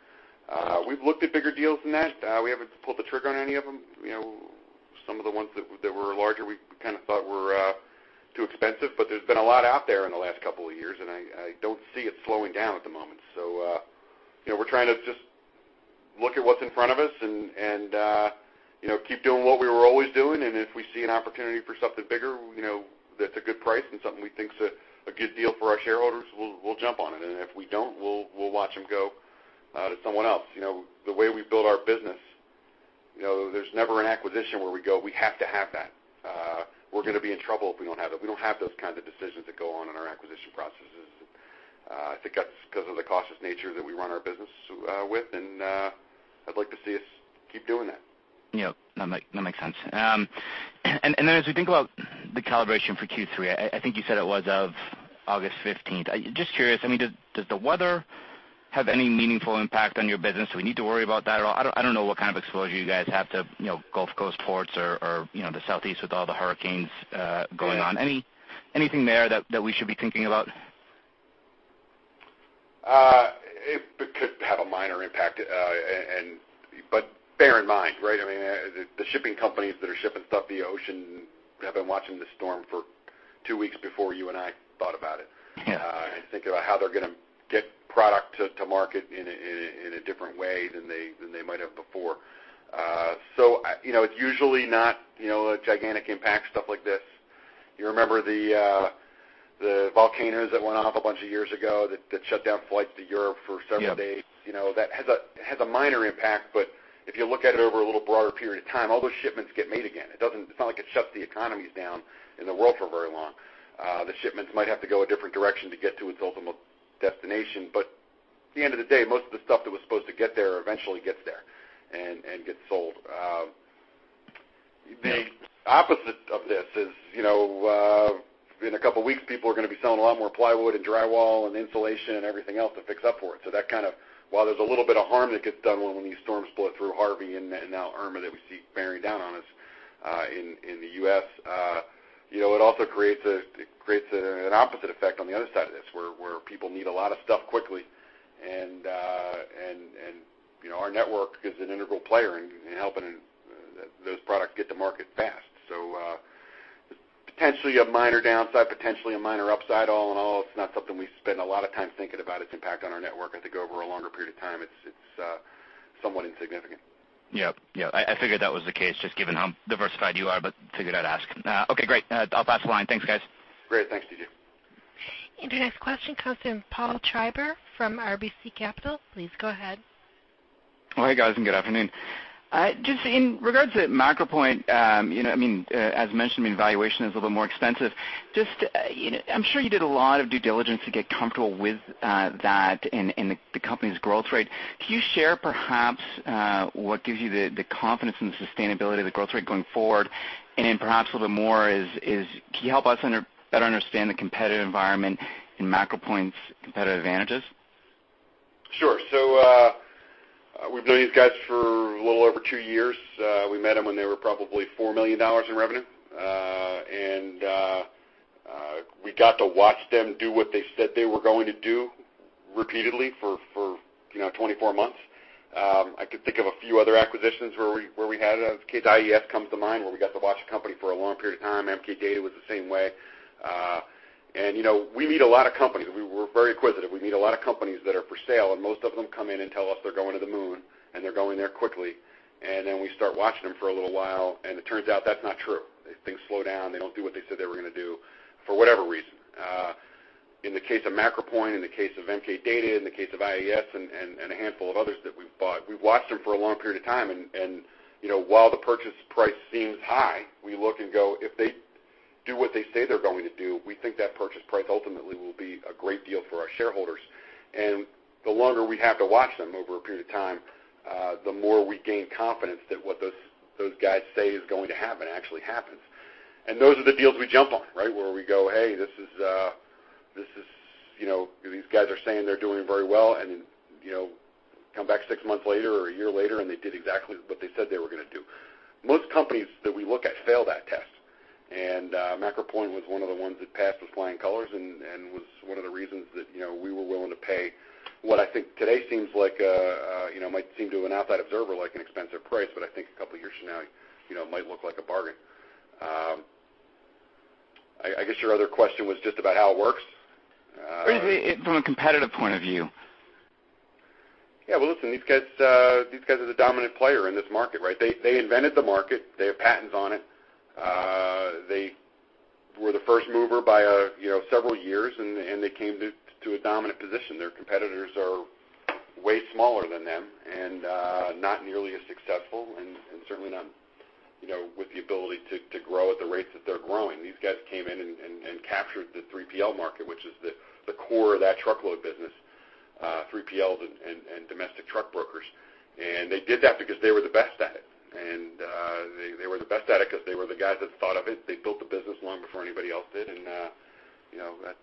We've looked at bigger deals than that. We haven't pulled the trigger on any of them. Some of the ones that were larger, we kind of thought were too expensive, but there's been a lot out there in the last couple of years, and I don't see it slowing down at the moment. We're trying to just look at what's in front of us and keep doing what we were always doing. If we see an opportunity for something bigger that's a good price and something we think is a good deal for our shareholders, we'll jump on it. If we don't, we'll watch them go to someone else. The way we build our business, there's never an acquisition where we go, "We have to have that. We're going to be in trouble if we don't have it." We don't have those kinds of decisions that go on in our acquisition processes. I think that's because of the cautious nature that we run our business with, and I'd like to see us keep doing that. Yeah. That makes sense. As we think about the calibration for Q3, I think you said it was of August 15th. Just curious, does the weather have any meaningful impact on your business? Do we need to worry about that at all? I don't know what kind of exposure you guys have to Gulf Coast ports or the Southeast with all the hurricanes going on. Anything there that we should be thinking about? It could have a minor impact. Bear in mind, the shipping companies that are shipping stuff the ocean have been watching the storm for 2 weeks before you and I thought about it. Yeah. Think about how they're going to get product to market in a different way than they might have before. It's usually not a gigantic impact, stuff like this. You remember the volcanoes that went off a bunch of years ago that shut down flights to Europe for several days? Yeah. That has a minor impact. If you look at it over a little broader period of time, all those shipments get made again. It's not like it shuts the economies down in the world for very long. The shipments might have to go a different direction to get to its ultimate destination, at the end of the day, most of the stuff that was supposed to get there eventually gets there and gets sold. The opposite of this is, in a couple of weeks, people are going to be selling a lot more plywood and drywall and insulation and everything else to fix up for it. That kind of, while there's a little bit of harm that gets done when these storms blow through Hurricane Harvey and now Hurricane Irma that we see bearing down on us. In the U.S., it also creates an opposite effect on the other side of this, where people need a lot of stuff quickly. Our network is an integral player in helping those products get to market fast. Potentially a minor downside, potentially a minor upside. All in all, it's not something we spend a lot of time thinking about its impact on our network. I think over a longer period of time, it's somewhat insignificant. Yep. I figured that was the case, just given how diversified you are, figured I'd ask. Okay, great. I'll pass the line. Thanks, guys. Great. Thanks, David. The next question comes from Paul Treiber from RBC Capital. Please go ahead. Hi, guys, and good afternoon. Just in regards to MacroPoint, as mentioned, valuation is a little more expensive. I'm sure you did a lot of due diligence to get comfortable with that and the company's growth rate. Can you share perhaps what gives you the confidence in the sustainability of the growth rate going forward? Then perhaps a little more is, can you help us better understand the competitive environment and MacroPoint's competitive advantages? Sure. We've known these guys for a little over two years. We met them when they were probably $4 million in revenue. We got to watch them do what they said they were going to do repeatedly for 24 months. I could think of a few other acquisitions where we had it. IES comes to mind, where we got to watch a company for a long period of time. MK Data was the same way. We meet a lot of companies. We're very acquisitive. We meet a lot of companies that are for sale, and most of them come in and tell us they're going to the moon, and they're going there quickly. Then we start watching them for a little while, and it turns out that's not true. Things slow down. They don't do what they said they were going to do, for whatever reason. In the case of MacroPoint, in the case of MK Data, in the case of IES and a handful of others that we've bought, we've watched them for a long period of time. While the purchase price seems high, we look and go, if they do what they say they're going to do, we think that purchase price ultimately will be a great deal for our shareholders. The longer we have to watch them over a period of time, the more we gain confidence that what those guys say is going to happen actually happens. Those are the deals we jump on, where we go, "Hey, these guys are saying they're doing very well." Come back six months later or a year later, and they did exactly what they said they were going to do. Most companies that we look at fail that test. MacroPoint was one of the ones that passed with flying colors and was one of the reasons that we were willing to pay what I think today might seem to an outside observer like an expensive price, but I think a couple of years from now, it might look like a bargain. I guess your other question was just about how it works? From a competitive point of view. Well, listen, these guys are the dominant player in this market, right? They invented the market. They have patents on it. They were the first mover by several years, and they came to a dominant position. Their competitors are way smaller than them and not nearly as successful, and certainly not with the ability to grow at the rates that they're growing. These guys came in and captured the 3PL market, which is the core of that truckload business, 3PLs and domestic truck brokers. They did that because they were the best at it. They were the best at it because they were the guys that thought of it. They built the business long before anybody else did, and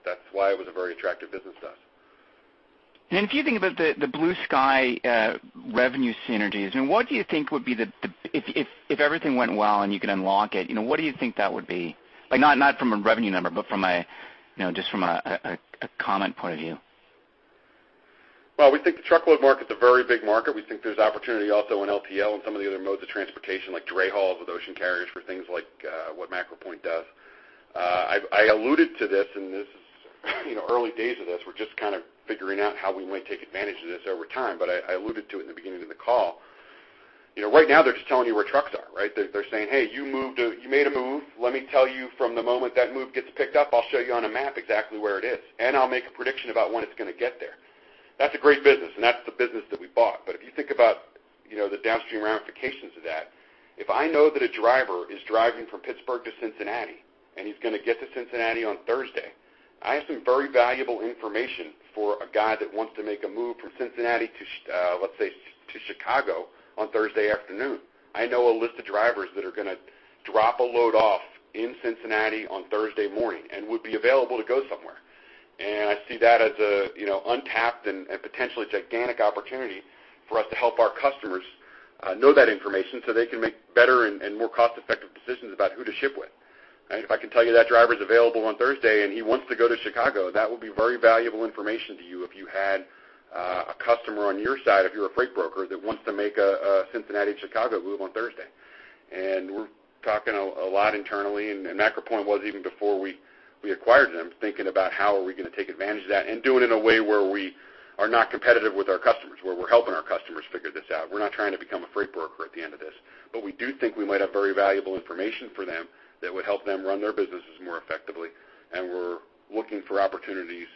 that's why it was a very attractive business to us. If you think about the blue sky revenue synergies, if everything went well and you can unlock it, what do you think that would be? Not from a revenue number, but just from a comment point of view. We think the truckload market's a very big market. We think there's opportunity also in LTL and some of the other modes of transportation, like drayage with ocean carriers for things like what MacroPoint does. I alluded to this in this early days of this. We're just kind of figuring out how we might take advantage of this over time. I alluded to it in the beginning of the call. Right now they're just telling you where trucks are, right? They're saying, "Hey, you made a move. Let me tell you from the moment that move gets picked up, I'll show you on a map exactly where it is, and I'll make a prediction about when it's going to get there." That's a great business, and that's the business that we bought. If you think about the downstream ramifications of that, if I know that a driver is driving from Pittsburgh to Cincinnati, and he's going to get to Cincinnati on Thursday, I have some very valuable information for a guy that wants to make a move from Cincinnati to, let's say, to Chicago on Thursday afternoon. I know a list of drivers that are going to drop a load off in Cincinnati on Thursday morning and would be available to go somewhere. I see that as an untapped and potentially gigantic opportunity for us to help our customers know that information so they can make better and more cost-effective decisions about who to ship with. If I can tell you that driver's available on Thursday and he wants to go to Chicago, that would be very valuable information to you if you had a customer on your side, if you're a freight broker that wants to make a Cincinnati-Chicago move on Thursday. We're talking a lot internally, and MacroPoint was even before we acquired them, thinking about how are we going to take advantage of that and do it in a way where we are not competitive with our customers, where we're helping our customers figure this out. We're not trying to become a freight broker at the end of this, we do think we might have very valuable information for them that would help them run their businesses more effectively, and we're looking for opportunities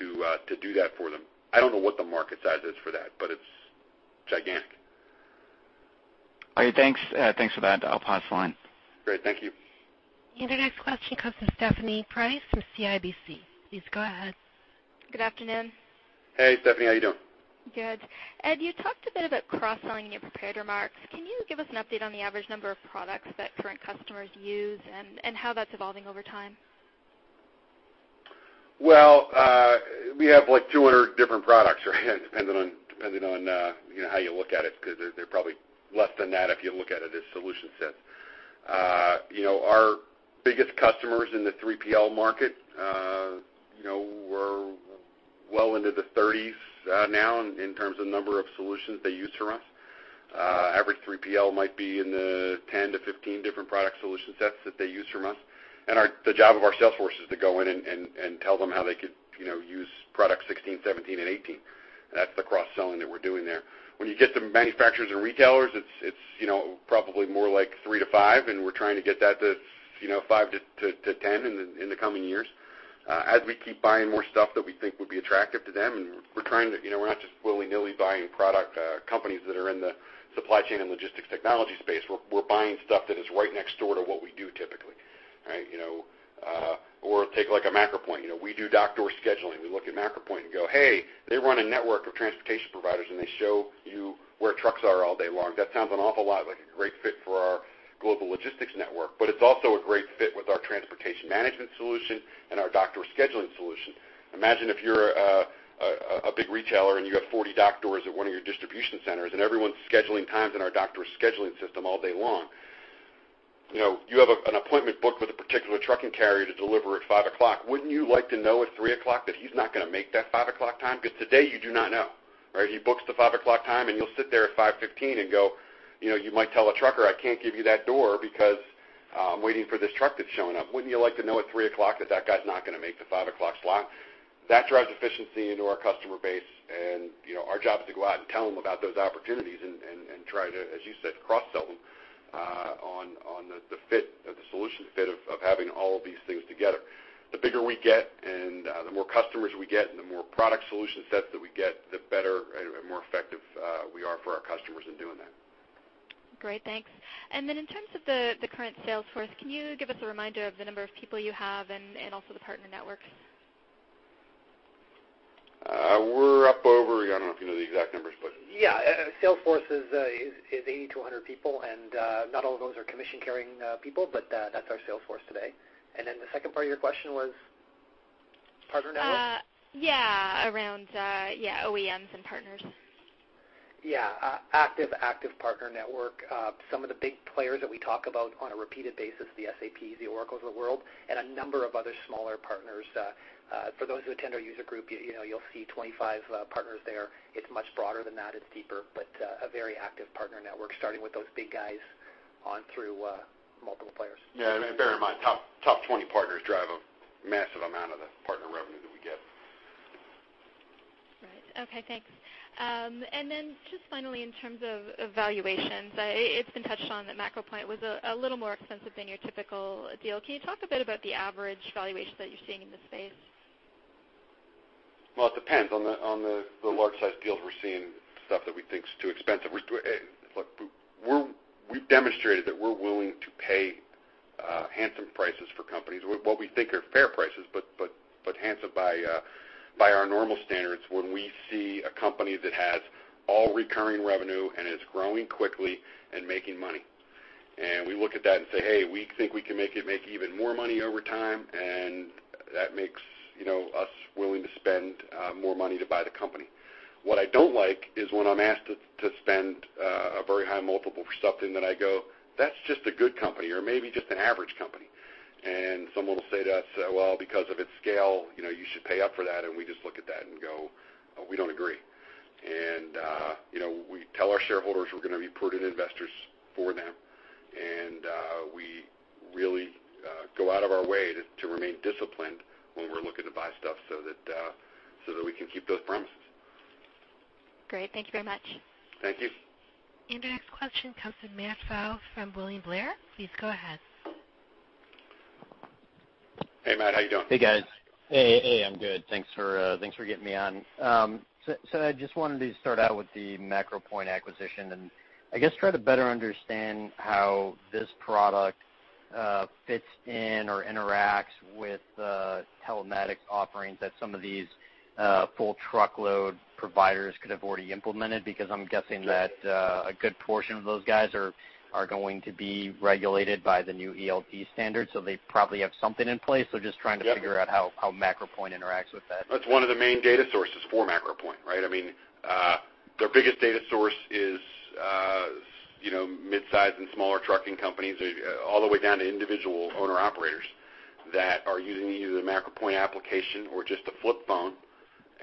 to do that for them. I don't know what the market size is for that, it's gigantic. All right, thanks for that. I'll pass the line. Great. Thank you. Our next question comes from Stephanie Price from CIBC. Please go ahead. Good afternoon. Hey, Stephanie. How you doing? Good. Ed, you talked a bit about cross-selling in your prepared remarks. Can you give us an update on the average number of products that current customers use and how that's evolving over time? Well, we have like 200 different products, right? Depending on how you look at it, because they're probably less than that if you look at it as solution sets. Our biggest customers in the 3PL market, we're well into the 30s now in terms of number of solutions they use from us. Average 3PL might be in the 10 to 15 different product solution sets that they use from us. The job of our salesforce is to go in and tell them how they could use product 16, 17, and 18. That's the cross-selling that we're doing there. When you get to manufacturers and retailers, it's probably more like three to five, and we're trying to get that to five to 10 in the coming years. As we keep buying more stuff that we think would be attractive to them, we're not just willy-nilly buying product companies that are in the supply chain and logistics technology space. We're buying stuff that is right next door to what we do typically, right? Or take like a MacroPoint. We do dock door scheduling. We look at MacroPoint and go, "Hey, they run a network of transportation providers, and they show you where trucks are all day long. That sounds an awful lot like a great fit for our Global Logistics Network." But it's also a great fit with our transportation management solution and our dock door scheduling solution. Imagine if you're a big retailer and you have 40 dock doors at one of your distribution centers, everyone's scheduling times in our dock door scheduling system all day long. You have an appointment book with a particular trucking carrier to deliver at 5:00. Wouldn't you like to know at 3:00 that he's not going to make that 5:00 time? Because today you do not know, right? He books the 5:00 time, and you'll sit there at 5:15 and you might tell a trucker, "I can't give you that door because I'm waiting for this truck that's showing up." Wouldn't you like to know at 3:00 that that guy's not going to make the 5:00 slot? That drives efficiency into our customer base. Our job is to go out and tell them about those opportunities and try to, as you said, cross-sell them on the solution fit of having all of these things together. The bigger we get, the more customers we get, the more product solution sets that we get, the better and more effective we are for our customers in doing that. Great. Thanks. In terms of the current sales force, can you give us a reminder of the number of people you have and also the partner networks? We're up over, I don't know if you know the exact numbers. Yeah. Salesforce is 80-100 people, not all of those are commission-carrying people, that's our sales force today. The second part of your question was partner networks? Yeah. Around OEMs and partners. Yeah. Active partner network. Some of the big players that we talk about on a repeated basis, the SAPs, the Oracles of the world, a number of other smaller partners. For those who attend our user group, you'll see 25 partners there. It's much broader than that. It's deeper, a very active partner network, starting with those big guys on through multiple players. Yeah. Bear in mind, top 20 partners drive a massive amount of the partner revenue that we get. Okay, thanks. Just finally, in terms of valuations, it's been touched on that MacroPoint was a little more expensive than your typical deal. Can you talk a bit about the average valuation that you're seeing in this space? Well, it depends. On the large size deals, we're seeing stuff that we think is too expensive. Look, we've demonstrated that we're willing to pay handsome prices for companies, what we think are fair prices, but handsome by our normal standards, when we see a company that has all recurring revenue and is growing quickly and making money. We look at that and say, "Hey, we think we can make it make even more money over time." That makes us willing to spend more money to buy the company. What I don't like is when I'm asked to spend a very high multiple for something that I go, "That's just a good company or maybe just an average company." Someone will say to us, "Well, because of its scale, you should pay up for that." We just look at that and go, "We don't agree." We tell our shareholders we're going to be prudent investors for them. We really go out of our way to remain disciplined when we're looking to buy stuff so that we can keep those promises. Great. Thank you very much. Thank you. Our next question comes from Matthew Pfau from William Blair. Please go ahead. Hey, Matt. How you doing? Hey, guys. Hey, I'm good. Thanks for getting me on. I just wanted to start out with the MacroPoint acquisition, and I guess try to better understand how this product fits in or interacts with the telematics offerings that some of these full truckload providers could have already implemented, because I'm guessing that a good portion of those guys are going to be regulated by the new ELD standards, so they probably have something in place. Just trying to figure out how MacroPoint interacts with that. That's one of the main data sources for MacroPoint, right? Their biggest data source is midsize and smaller trucking companies, all the way down to individual owner-operators that are using either the MacroPoint application or just a flip phone,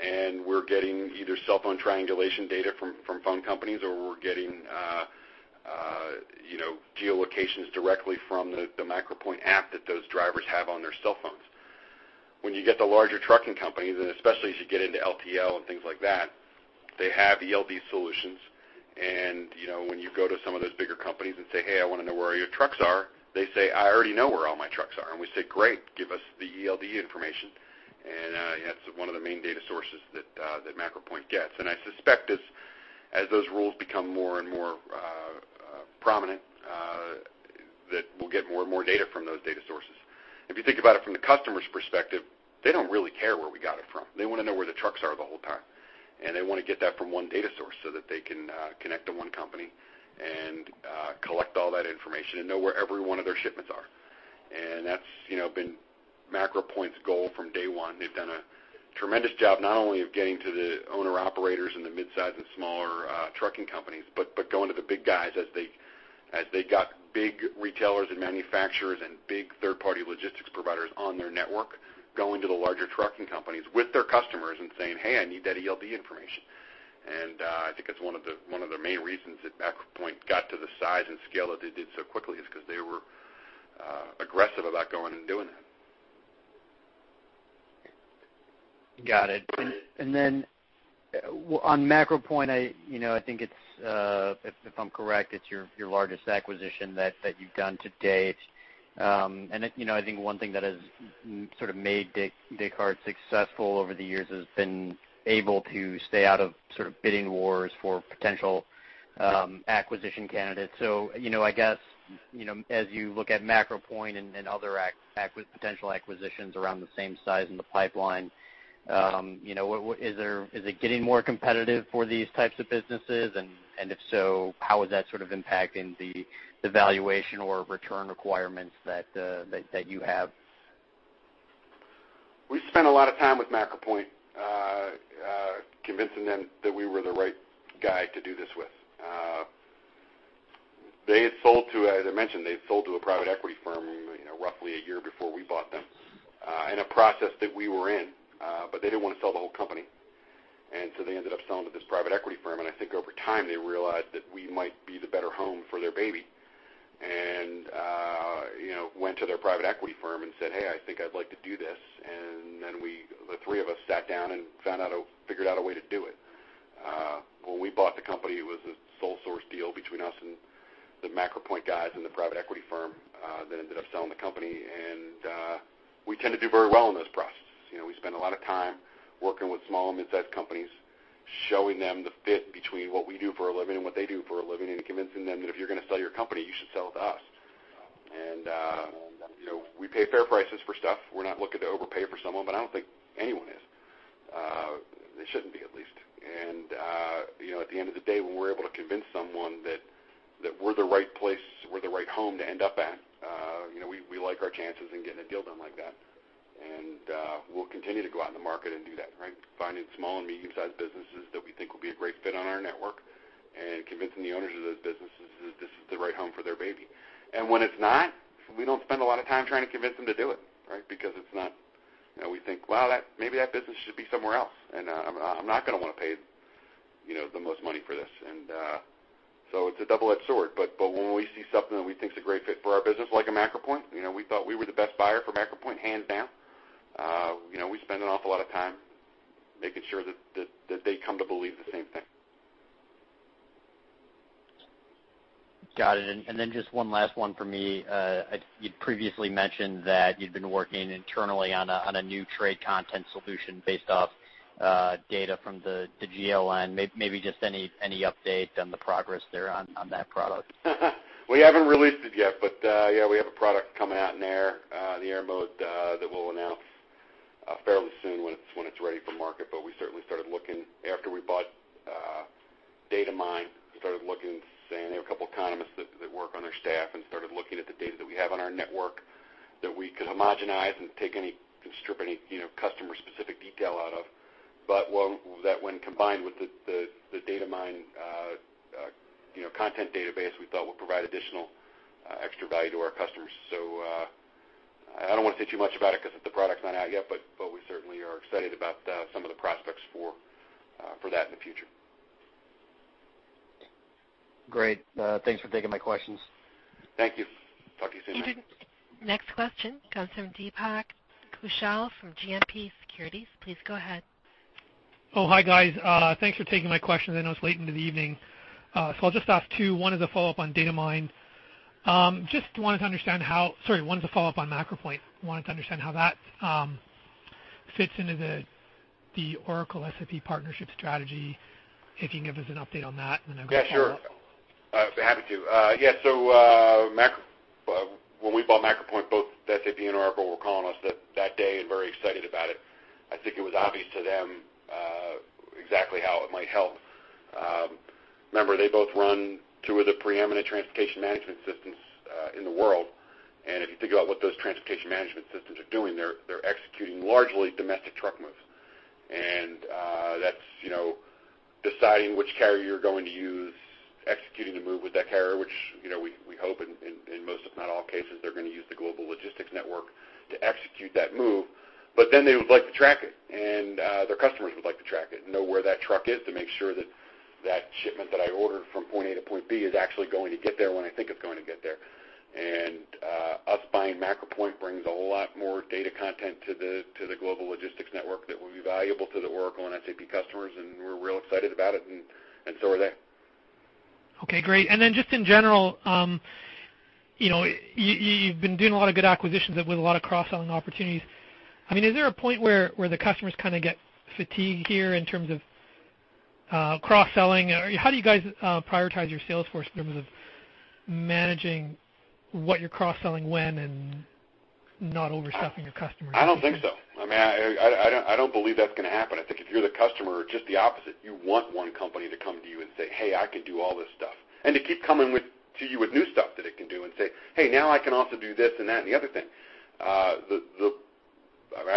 and we're getting either cell phone triangulation data from phone companies, or we're getting geolocations directly from the MacroPoint app that those drivers have on their cell phones. When you get to larger trucking companies, especially as you get into LTL and things like that, they have ELD solutions. When you go to some of those bigger companies and say, "Hey, I want to know where your trucks are," they say, "I already know where all my trucks are." We say, "Great, give us the ELD information." That's one of the main data sources that MacroPoint gets. I suspect as those rules become more and more prominent, that we'll get more and more data from those data sources. If you think about it from the customer's perspective, they don't really care. They want to know where the trucks are the whole time, and they want to get that from one data source so that they can connect to one company and collect all that information and know where every one of their shipments are. That's been MacroPoint's goal from day one. They've done a tremendous job not only of getting to the owner-operators and the midsize and smaller trucking companies, but going to the big guys as they got big retailers and manufacturers and big third-party logistics providers on their network, going to the larger trucking companies with their customers and saying, "Hey, I need that ELD information." I think it's one of the main reasons that MacroPoint got to the size and scale that they did so quickly, is because they were aggressive about going and doing that. Got it. On MacroPoint, I think if I'm correct, it's your largest acquisition that you've done to date. I think one thing that has sort of made Descartes successful over the years has been able to stay out of sort of bidding wars for potential acquisition candidates. I guess, as you look at MacroPoint and other potential acquisitions around the same size in the pipeline, is it getting more competitive for these types of businesses? If so, how is that sort of impacting the valuation or return requirements that you have? We spent a lot of time with MacroPoint convincing them that we were the right guy to do this with. As I mentioned, they had sold to a private equity firm roughly a year before we bought them in a process that we were in, but they didn't want to sell the whole company, so they ended up selling to this private equity firm. I think over time, they realized that we might be the better home for their baby, and went to their private equity firm and said, "Hey, I think I'd like to do this." Then the three of us sat down and figured out a way to do it. When we bought the company, it was a sole source deal between us and the MacroPoint guys and the private equity firm that ended up selling the company. We tend to do very well in those processes. We spend a lot of time working with small and midsize companies, showing them the fit between what we do for a living and what they do for a living, and convincing them that if you're going to sell your company, you should sell it to us. We pay fair prices for stuff. We're not looking to overpay for someone, but I don't think anyone is. They shouldn't be, at least. At the end of the day, when we're able to convince someone that we're the right home to end up at, we like our chances in getting a deal done like that. We'll continue to go out in the market and do that, right? Finding small and medium-sized businesses that we think will be a great fit on our network and convincing the owners of those businesses that this is the right home for their baby. When it's not, we don't spend a lot of time trying to convince them to do it, right? Because we think, wow, maybe that business should be somewhere else, and I'm not going to want to pay the most money for this. So it's a double-edged sword, but when we see something that we think is a great fit for our business, like a MacroPoint, we thought we were the best buyer for MacroPoint, hands down. We spend an awful lot of time making sure that they come to believe the same thing. Got it. Just one last one for me. You'd previously mentioned that you'd been working internally on a new trade content solution based off data from the GLN. Maybe just any update on the progress there on that product? Yeah, we haven't released it yet, but we have a product coming out in the air mode that we'll announce fairly soon when it's ready for market. We certainly started looking after we bought Datamyne. We started looking, saying there were a couple of economists that work on their staff and started looking at the data that we have on our network that we could homogenize and strip any customer specific detail out of. That when combined with the Datamyne content database, we thought would provide additional extra value to our customers. I don't want to say too much about it because the product's not out yet, but we certainly are excited about some of the prospects for that in the future. Great. Thanks for taking my questions. Thank you. Talk to you soon, Matt. Next question comes from Deepak Kaushal from GMP Securities. Please go ahead. Oh, hi guys. Thanks for taking my question. I know it's late into the evening. I'll just ask two. One is a follow-up on MacroPoint. Wanted to understand how that fits into the Oracle SAP partnership strategy, if you can give us an update on that. I've got a follow-up. Yeah, sure. Happy to. When we bought MacroPoint, both SAP and Oracle were calling us that day and very excited about it. I think it was obvious to them exactly how it might help. Remember, they both run two of the preeminent transportation management systems in the world. If you think about what those transportation management systems are doing, they're executing largely domestic truck moves. That's deciding which carrier you're going to use, executing the move with that carrier, which we hope in most, if not all cases, they're going to use the Global Logistics Network to execute that move. They would like to track it, and their customers would like to track it and know where that truck is to make sure that that shipment that I ordered from point A to point B is actually going to get there when I think it's going to get there. Us buying MacroPoint brings a whole lot more data content to the Global Logistics Network that will be valuable to the Oracle and SAP customers, and we're real excited about it, and so are they. Okay, great. Just in general, you've been doing a lot of good acquisitions with a lot of cross-selling opportunities. Is there a point where the customers kind of get fatigued here in terms of cross-selling? How do you guys prioritize your sales force in terms of managing what you're cross-selling when and not over-stuffing your customers? I don't think so. I don't believe that's going to happen. I think if you're the customer, just the opposite. You want one company to come to you and say, "Hey, I can do all this stuff." To keep coming to you with new stuff that it can do and say, "Hey, now I can also do this and that and the other thing." I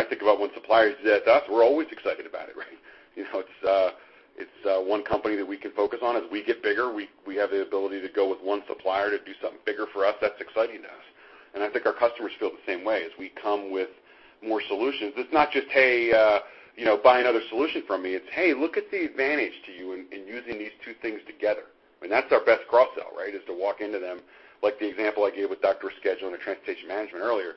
think about when suppliers do that to us, we're always excited about it, right? It's one company that we can focus on. As we get bigger, we have the ability to go with one supplier to do something bigger for us. That's exciting to us. I think our customers feel the same way. As we come with more solutions, it's not just, "Hey, buy another solution from me." It's, "Hey, look at the advantage to you in using these two things together." That's our best cross-sell, right? Is to walk into them, like the example I gave with dock door scheduling or transportation management earlier.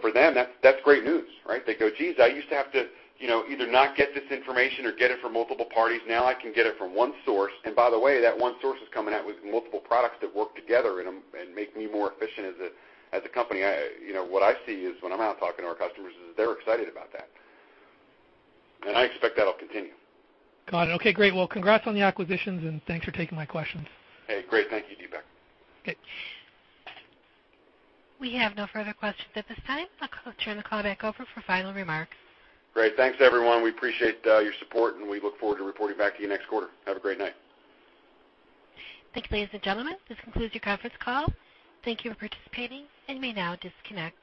For them, that's great news, right? They go, "Geez, I used to have to either not get this information or get it from multiple parties. Now I can get it from one source. By the way, that one source is coming out with multiple products that work together and make me more efficient as a company." What I see is when I'm out talking to our customers is they're excited about that. I expect that'll continue. Got it. Okay, great. Well, congrats on the acquisitions and thanks for taking my questions. Hey, great. Thank you, Deepak. Okay. We have no further questions at this time. I'll turn the call back over for final remarks. Great. Thanks, everyone. We appreciate your support, and we look forward to reporting back to you next quarter. Have a great night. Thank you, ladies and gentlemen. This concludes your conference call. Thank you for participating, and you may now disconnect.